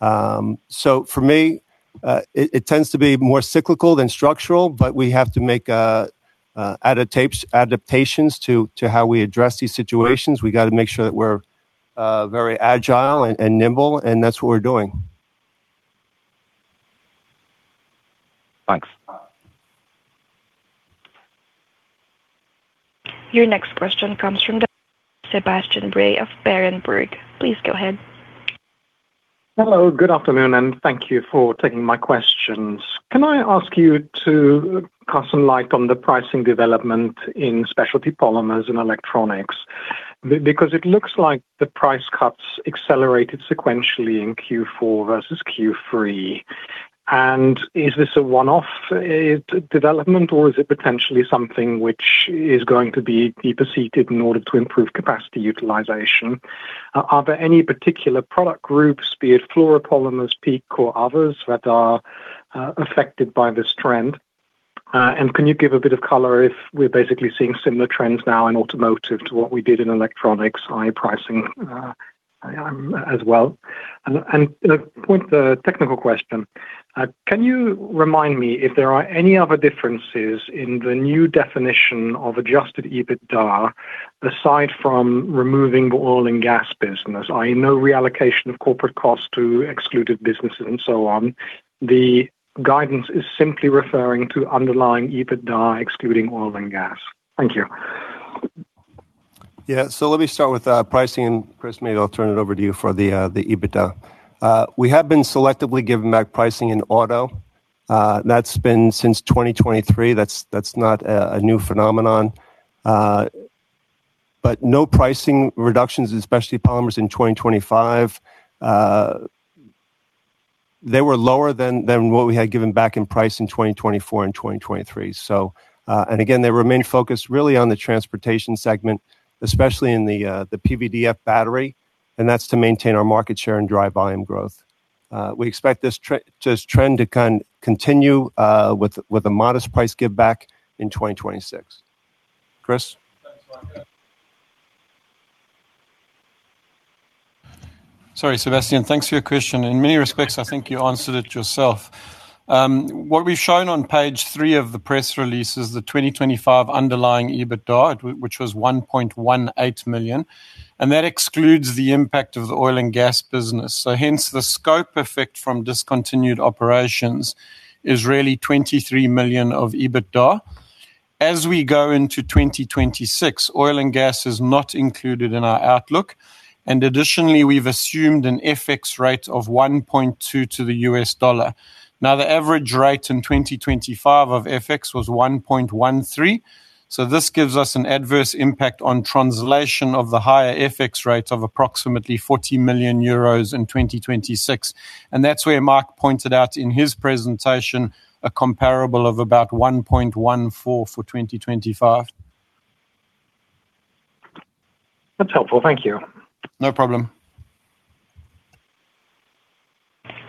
For me, it tends to be more cyclical than structural, but we have to make adaptations to how we address these situations. We got tomake sure that we're very agile and nimble, and that's what we're doing. Thanks. Your next question comes from Sebastian Bray of Berenberg. Please go ahead. Hello, good afternoon, thank you for taking my questions. Can I ask you to cast some light on the pricing development in Specialty Polymers and electronics? Because it looks like the price cuts accelerated sequentially in Q4 versus Q3. Is this a one-off development, or is it potentially something which is going to be deeper seated in order to improve capacity utilization? Are there any particular product groups, be it fluoropolymers, PEEK, or others, that are affected by this trend? Can you give a bit of color if we're basically seeing similar trends now in automotive to what we did in electronics, high pricing, as well? Point the technical question. Can you remind me if there are any other differences in the new definition of adjusted EBITDA, aside from removing the Oil & Gas business? I know reallocation of corporate costs to excluded businesses and so on. The guidance is simply referring to underlying EBITDA, excluding Oil & Gas. Thank you. Yeah. Let me start with pricing, and Chris maybe I'll turn it over to you for the EBITDA. We have been selectively giving back pricing in auto. That's been since 2023. That's not a new phenomenon. No pricing reductions, especially polymers in 2025. They were lower than what we had given back in price in 2024 and 2023. And again, they remain focused really on the transportation segment, especially in the PVDF battery, and that's to maintain our market share and drive volume growth. We expect this trend to continue with a modest price give back in 2026. Chris? Thanks, Marco. Sorry, Sebastian. Thanks for your question. In many respects, I think you answered it yourself. What we've shown on page three of the press release is the 2025 underlying EBITDA, which was 1.18 million, and that excludes the impact of the Oil & Gas business. Hence, the scope effect from discontinued operations is really 23 million of EBITDA. As we go into 2026, Oil & Gas is not included in our outlook, and additionally, we've assumed an FX rate of 1.2 to the US dollar. The average rate in 2025 of FX was 1.13. This gives us an adverse impact on translation of the higher FX rate of approximately 40 million euros in 2026, and that's where Mike pointed out in his presentation, a comparable of about 1.14 for 2025. That's helpful. Thank you. No problem.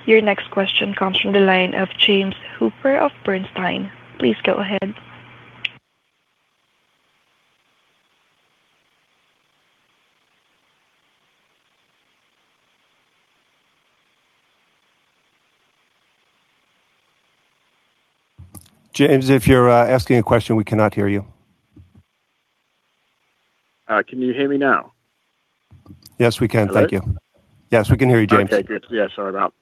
Your next question comes from the line of Gunther Zechmann of Bernstein. Please go ahead. James, if you're asking a question, we cannot hear you. Can you hear me now? Yes, we can. Thank you. Hello? Yes, we can hear you, James. Okay, good. Yeah, sorry about,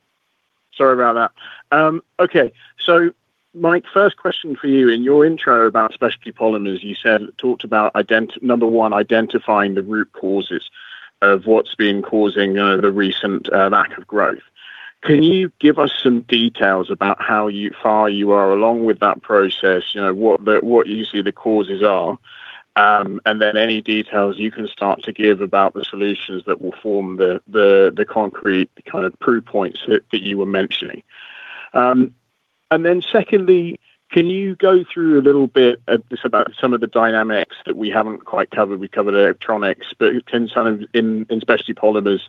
sorry about that. Okay. Mike, first question for you. In your intro about Specialty Polymers, you said, talked about number one, identifying the root causes of what's been causing the recent lack of growth. Can you give us some details about how you far you are along with that process? You know, what you see the causes are, and then any details you can start to give about the solutions that will form the concrete kind of proof points that you were mentioning. Secondly, can you go through a little bit just about some of the dynamics that we haven't quite covered? We covered electronics, can some in Specialty Polymers,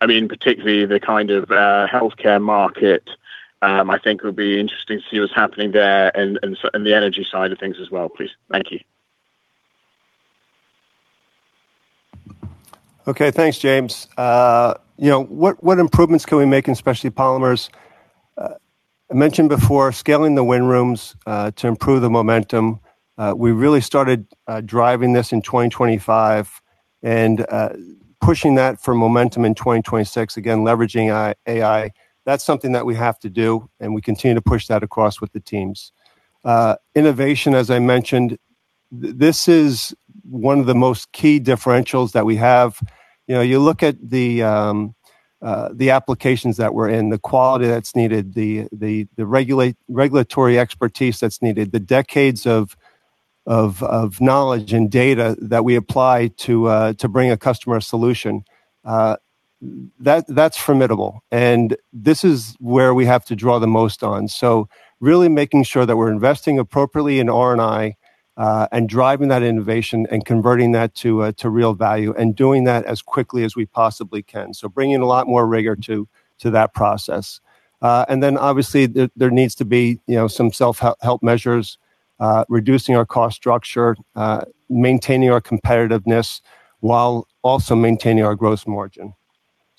I mean, particularly the kind of, healthcare market, I think it would be interesting to see what's happening there and the energy side of things as well, please. Thank you. Okay. Thanks, James. you know, what improvements can we make in Specialty Polymers? I mentioned before, scaling the win rooms, to improve the momentum. we really started driving this in 2025 and pushing that for momentum in 2026, again, leveraging AI. That's something that we have to do, and we continue to push that across with the teams. Innovation, as I mentioned, this is one of the most key differentials that we have. You know, you look at the applications that we're in, the quality that's needed, the regulatory expertise that's needed, the decades of knowledge and data that we apply to bring a customer a solution, that's formidable, and this is where we have to draw the most on. Really making sure that we're investing appropriately in R&I and driving that innovation and converting that to real value, and doing that as quickly as we possibly can. Bringing a lot more rigor to that process. Then obviously, there needs to be, you know, some self-help measures, reducing our cost structure, maintaining our competitiveness while also maintaining our gross margin.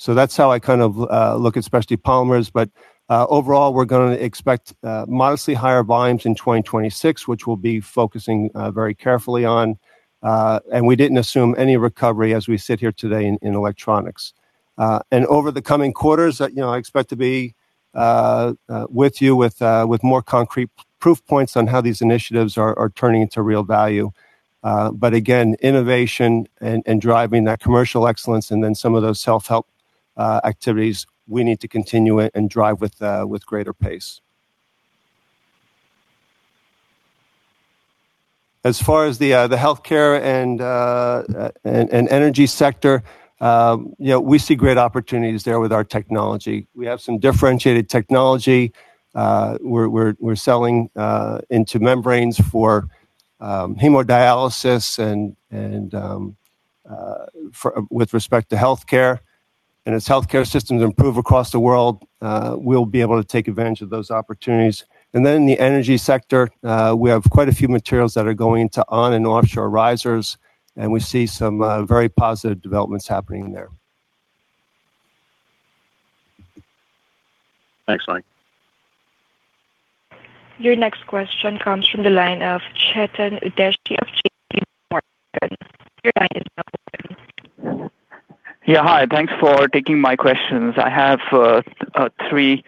That's how I kind of look at Specialty Polymers, but overall, we're going to expect modestly higher volumes in 2026, which we'll be focusing very carefully on. We didn't assume any recovery as we sit here today in electronics. Over the coming quarters, you know, I expect to be with you with more concrete proof points on how these initiatives are turning into real value. Again, innovation and driving that commercial excellence and then some of those self-help activities, we need to continue it and drive with greater pace. As far as the healthcare and energy sector, you know, we see great opportunities there with our technology. We have some differentiated technology. We're selling into membranes for hemodialysis and, with respect to healthcare. As healthcare systems improve across the world, we'll be able to take advantage of those opportunities. In the energy sector, we have quite a few materials that are going into on and offshore risers, and we see some very positive developments happening there. Thanks, Mike. Your next question comes from the line of Chetan Udeshi of J.P. Morgan. Your line is now open. Yeah, hi. Thanks for taking my questions. I have three.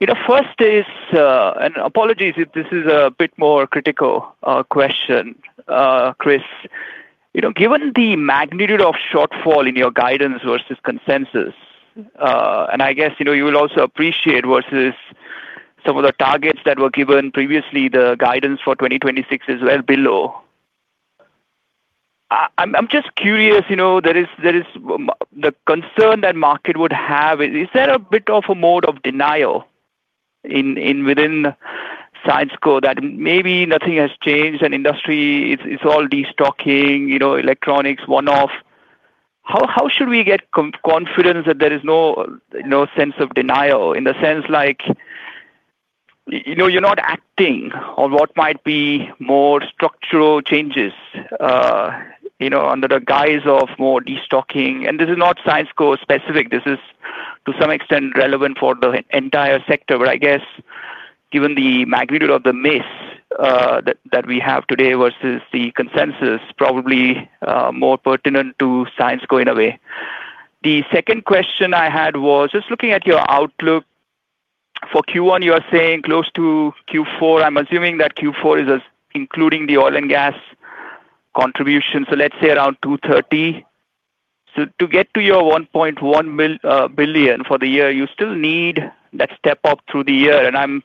You know, first is, and apologies if this is a bit more critical question, Chris. You know, given the magnitude of shortfall in your guidance versus consensus, and I guess, you know, you will also appreciate versus some of the targets that were given previously, the guidance for 2026 is well below. I'm just curious, you know, there is, there is the concern that market would have, is there a bit of a mode of denial in within Syensqo that maybe nothing has changed and industry is all destocking, you know, electronics one-off? How should we get confidence that there is no sense of denial, in the sense like, you know, you're not acting on what might be more structural changes, you know, under the guise of more destocking? This is not Syensqo specific. This is, to some extent, relevant for the entire sector, but I guess given the magnitude of the miss that we have today versus the consensus, probably more pertinent to Syensqo in a way. The second question I had was just looking at your outlook. For Q1, you are saying close to Q4. I'm assuming that Q4 is including the Oil & Gas contribution, so let's say around 230. To get to your 1.1 billion for the year, you still need that step-up through the year, and I'm...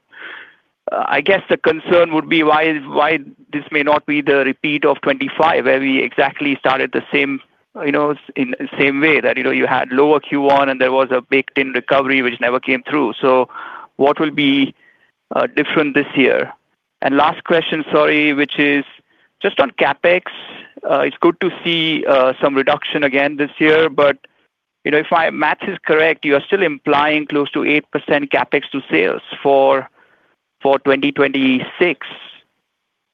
I guess the concern would be why why this may not be the repeat of 25, where we exactly started the same, you know, in the same way that, you know, you had lower Q1, and there was a baked-in recovery which never came through. What will be different this year? Last question, sorry, which is just on CapEx. It's good to see some reduction again this year, but, you know, if my maths is correct, you are still implying close to 8% CapEx to sales for 2026.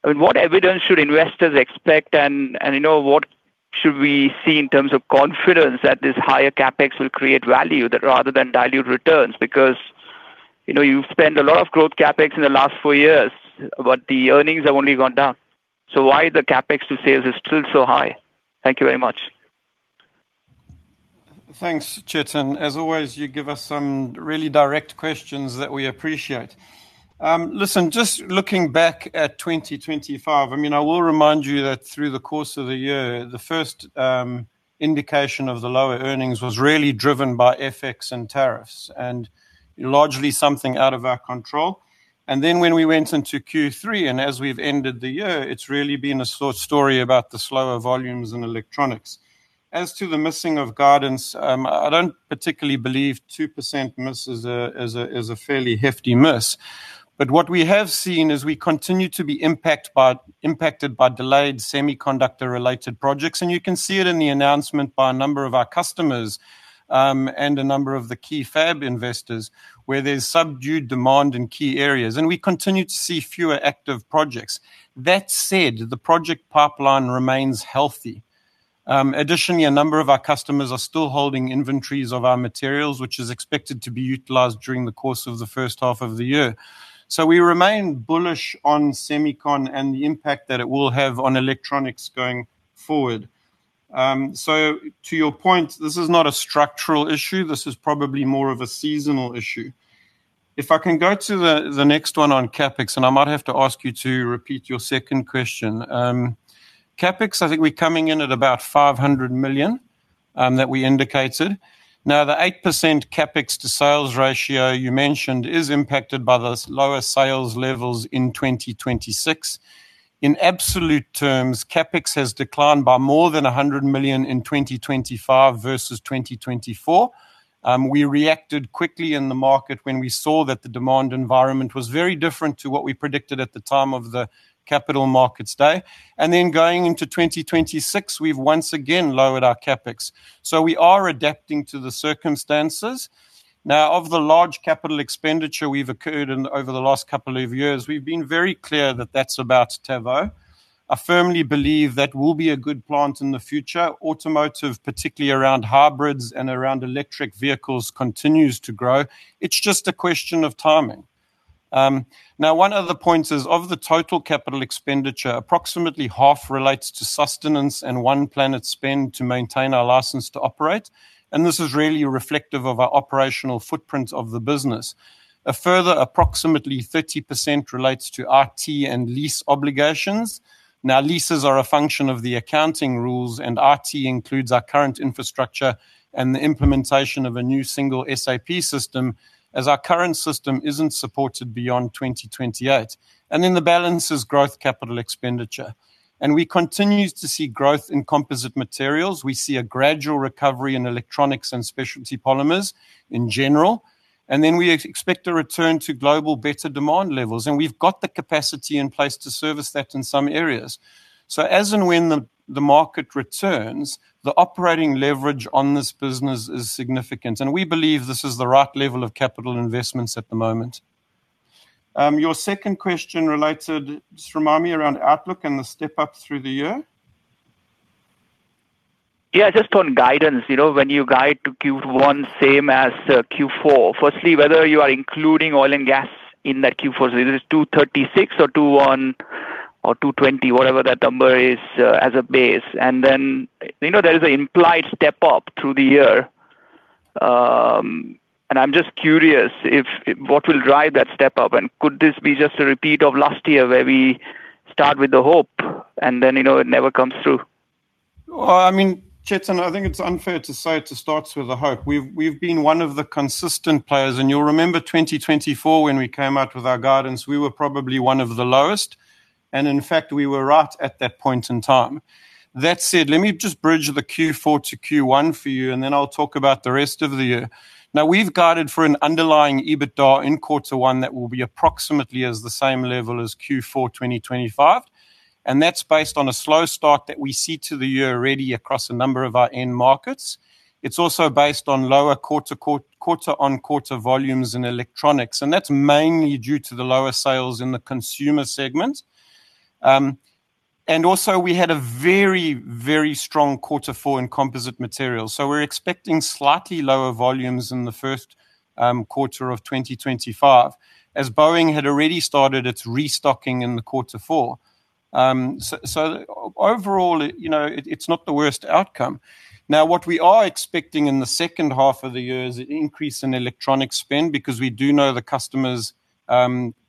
I mean, what evidence should investors expect, and, you know, what should we see in terms of confidence that this higher CapEx will create value that rather than dilute returns? You know, you've spent a lot of growth CapEx in the last four years, but the earnings have only gone down. why the CapEx to sales is still so high? Thank you very much. Thanks, Chetan. As always, you give us some really direct questions that we appreciate. Listen, just looking back at 2025, I mean, I will remind you that through the course of the year, the first indication of the lower earnings was really driven by FX and tariffs, and largely something out of our control. When we went into Q3, and as we've ended the year, it's really been a story about the slower volumes in electronics. As to the missing of guidance, I don't particularly believe 2% miss is a fairly hefty miss. What we have seen is we continue to be impacted by delayed semiconductor-related projects, and you can see it in the announcement by a number of our customers, and a number of the key fab investors, where there's subdued demand in key areas, and we continue to see fewer active projects. That said, the project pipeline remains healthy. Additionally, a number of our customers are still holding inventories of our materials, which is expected to be utilized during the course of the first half of the year. We remain bullish on semicon and the impact that it will have on electronics going forward. To your point, this is not a structural issue. This is probably more of a seasonal issue. If I can go to the next one on CapEx, I might have to ask you to repeat your second question. CapEx, I think we're coming in at about 500 million that we indicated. The 8% CapEx to sales ratio you mentioned is impacted by the lower sales levels in 2026. In absolute terms, CapEx has declined by more than 100 million in 2025 versus 2024. We reacted quickly in the market when we saw that the demand environment was very different to what we predicted at the time of the capital markets day. Going into 2026, we've once again lowered our CapEx. We are adapting to the circumstances. Of the large capital expenditure we've occurred in over the last couple of years, we've been very clear that that's about Tavaux. I firmly believe that will be a good plant in the future. Automotive, particularly around hybrids and around electric vehicles, continues to grow. It's just a question of timing. One other point is, of the total capital expenditure, approximately half relates to sustenance and One Planet spend to maintain our license to operate, and this is really reflective of our operational footprint of the business. A further approximately 30% relates to IT and lease obligations. Leases are a function of the accounting rules, and IT includes our current infrastructure and the implementation of a new single SAP system, as our current system isn't supported beyond 2028. The balance is growth capital expenditure. We continue to see growth in Composite Materials. We see a gradual recovery in electronics and Specialty Polymers in general, then we expect a return to global better demand levels, we've got the capacity in place to service that in some areas. As and when the market returns, the operating leverage on this business is significant, we believe this is the right level of capital investments at the moment. Your second question related, just remind me, around outlook and the step-up through the year? Yeah, just on guidance, you know, when you guide to Q1, same as Q4. Firstly, whether you are including Oil & Gas in that Q4, whether it is 236 or 210 or 220, whatever that number is, as a base. Then, you know, there is an implied step-up through the year. I'm just curious what will drive that step up, and could this be just a repeat of last year, where we start with the hope, and then, you know, it never comes through? Well, I mean, Chetan, I think it's unfair to say, to start with a hope. We've been one of the consistent players, and you'll remember 2024, when we came out with our guidance, we were probably one of the lowest, and in fact, we were right at that point in time. That said, let me just bridge the Q4 to Q1 for you, and then I'll talk about the rest of the year. Now, we've guided for an underlying EBITDA in quarter one that will be approximately as the same level as Q4, 2025, and that's based on a slow start that we see to the year already across a number of our end markets. It's also based on lower quarter-on-quarter volumes in electronics, and that's mainly due to the lower sales in the consumer segment. We had a very, very strong Q4 in Composite Materials. We're expecting slightly lower volumes in the first quarter of 2025, as Boeing had already started its restocking in the Q4. Overall, you know, it's not the worst outcome. Now, what we are expecting in the second half of the year is an increase in electronic spend, because we do know the customers,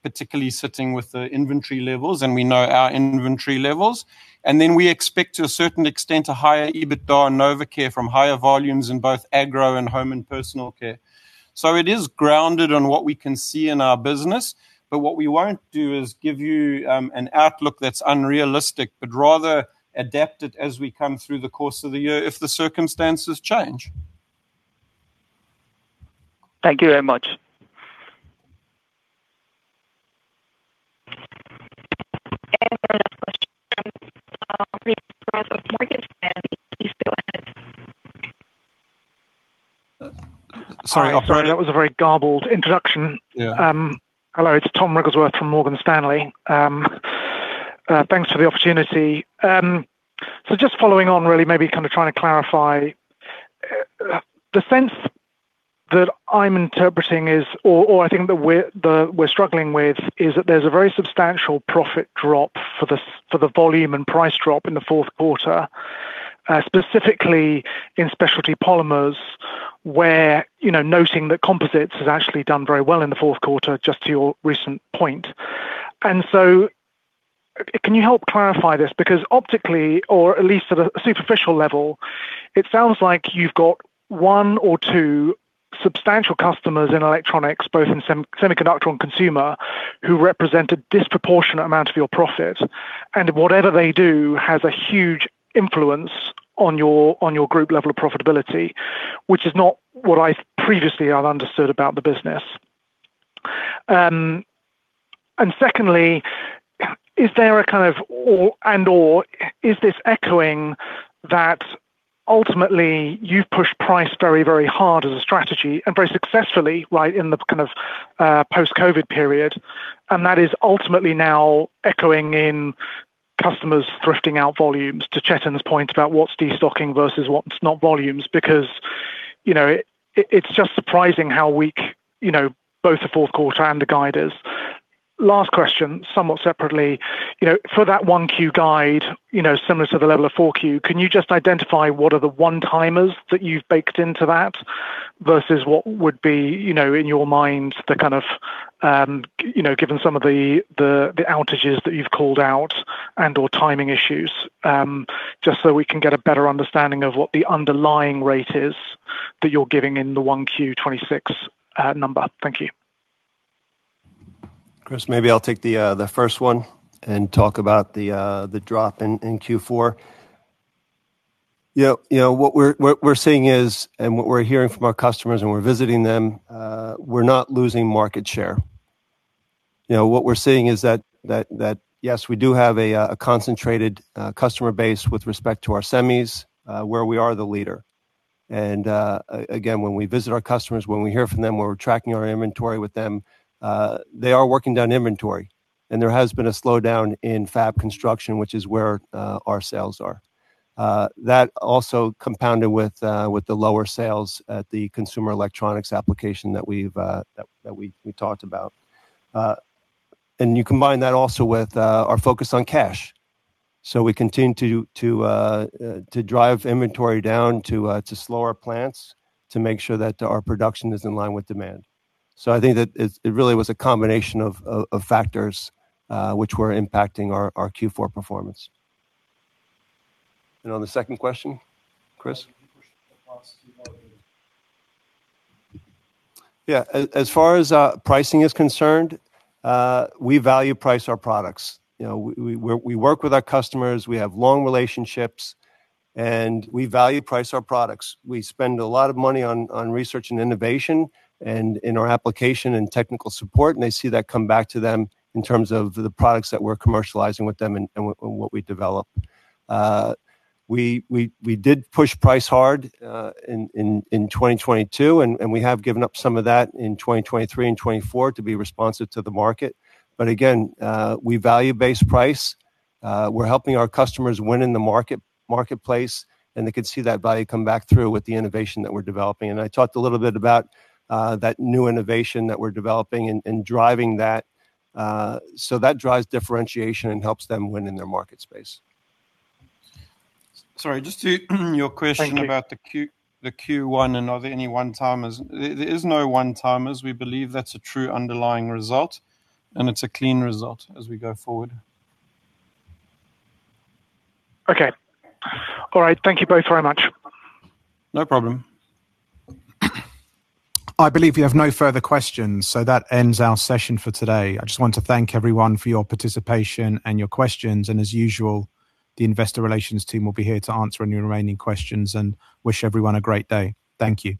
particularly sitting with the inventory levels, and we know our inventory levels. We expect, to a certain extent, a higher EBITDA and Novecare from higher volumes in both agro and home and personal care. It is grounded on what we can see in our business, but what we won't do is give you an outlook that's unrealistic, but rather adapt it as we come through the course of the year if the circumstances change. Thank you very much. Our next question, from Wrigglesworth of Morgan Stanley. Please go ahead. Sorry- Sorry, that was a very garbled introduction. Yeah. Hello, it's Thomas Wrigglesworth from Morgan Stanley. Thanks for the opportunity. Just following on, really maybe kind of trying to clarify. The sense that I'm interpreting is or I think that we're struggling with, is that there's a very substantial profit drop for the volume and price drop in the fourth quarter, specifically in Specialty Polymers, where, you know, noting that composites has actually done very well in the fourth quarter, just to your recent point. Can you help clarify this? Optically, or at least at a superficial level, it sounds like you've got one or two substantial customers in electronics, both in semiconductor and consumer, who represent a disproportionate amount of your profit, and whatever they do has a huge influence on your group level of profitability, which is not what I've understood about the business. Secondly, is there a kind of or, and or, is this echoing that ultimately you've pushed price very, very hard as a strategy, and very successfully, right, in the kind of post-COVID period, and that is ultimately now echoing in customers thrifting out volumes, to Chetan's point about what's destocking versus what's not volumes. You know, it's just surprising how weak, you know, both the fourth quarter and the guide is. Last question, somewhat separately. You know, for that 1Q guide, you know, similar to the level of 4Q, can you just identify what are the one-timers that you've baked into that, versus what would be, you know, in your mind, the kind of, you know, given some of the outages that you've called out and or timing issues? Just so we can get a better understanding of what the underlying rate is that you're giving in the 1Q 2026 number. Thank you. Chris, maybe I'll take the first one, and talk about the drop in Q4. You know, what we're seeing is, and what we're hearing from our customers when we're visiting them, we're not losing market share. You know, what we're seeing is that, yes, we do have a concentrated customer base with respect to our semis, where we are the leader. Again, when we visit our customers, when we hear from them, when we're tracking our inventory with them, they are working down inventory, and there has been a slowdown in fab construction, which is where our sales are. That also compounded with the lower sales at the consumer electronics application that we've that we talked about. You combine that also with our focus on cash. We continue to drive inventory down, to slow our plants, to make sure that our production is in line with demand. I think that it really was a combination of factors which were impacting our Q4 performance. On the second question, Chris?... Yeah. As far as pricing is concerned, we value price our products. You know, we work with our customers, we have long relationships, and we value price our products. We spend a lot of money on research and innovation, and in our application and technical support, and they see that come back to them in terms of the products that we're commercializing with them and what we develop. We did push price hard in 2022, and we have given up some of that in 2023 and 2024 to be responsive to the market. But again, we value-based price. We're helping our customers win in the marketplace, and they can see that value come back through with the innovation that we're developing. I talked a little bit about that new innovation that we're developing and driving that. That drives differentiation and helps them win in their market space. Sorry, just to your question- Thank you. about the Q1, are there any one-timers? There is no one-timers. We believe that's a true underlying result, and it's a clean result as we go forward. Okay. All right. Thank you both very much. No problem. I believe we have no further questions. That ends our session for today. I just want to thank everyone for your participation and your questions, and as usual, the investor relations team will be here to answer any remaining questions, and wish everyone a great day. Thank you.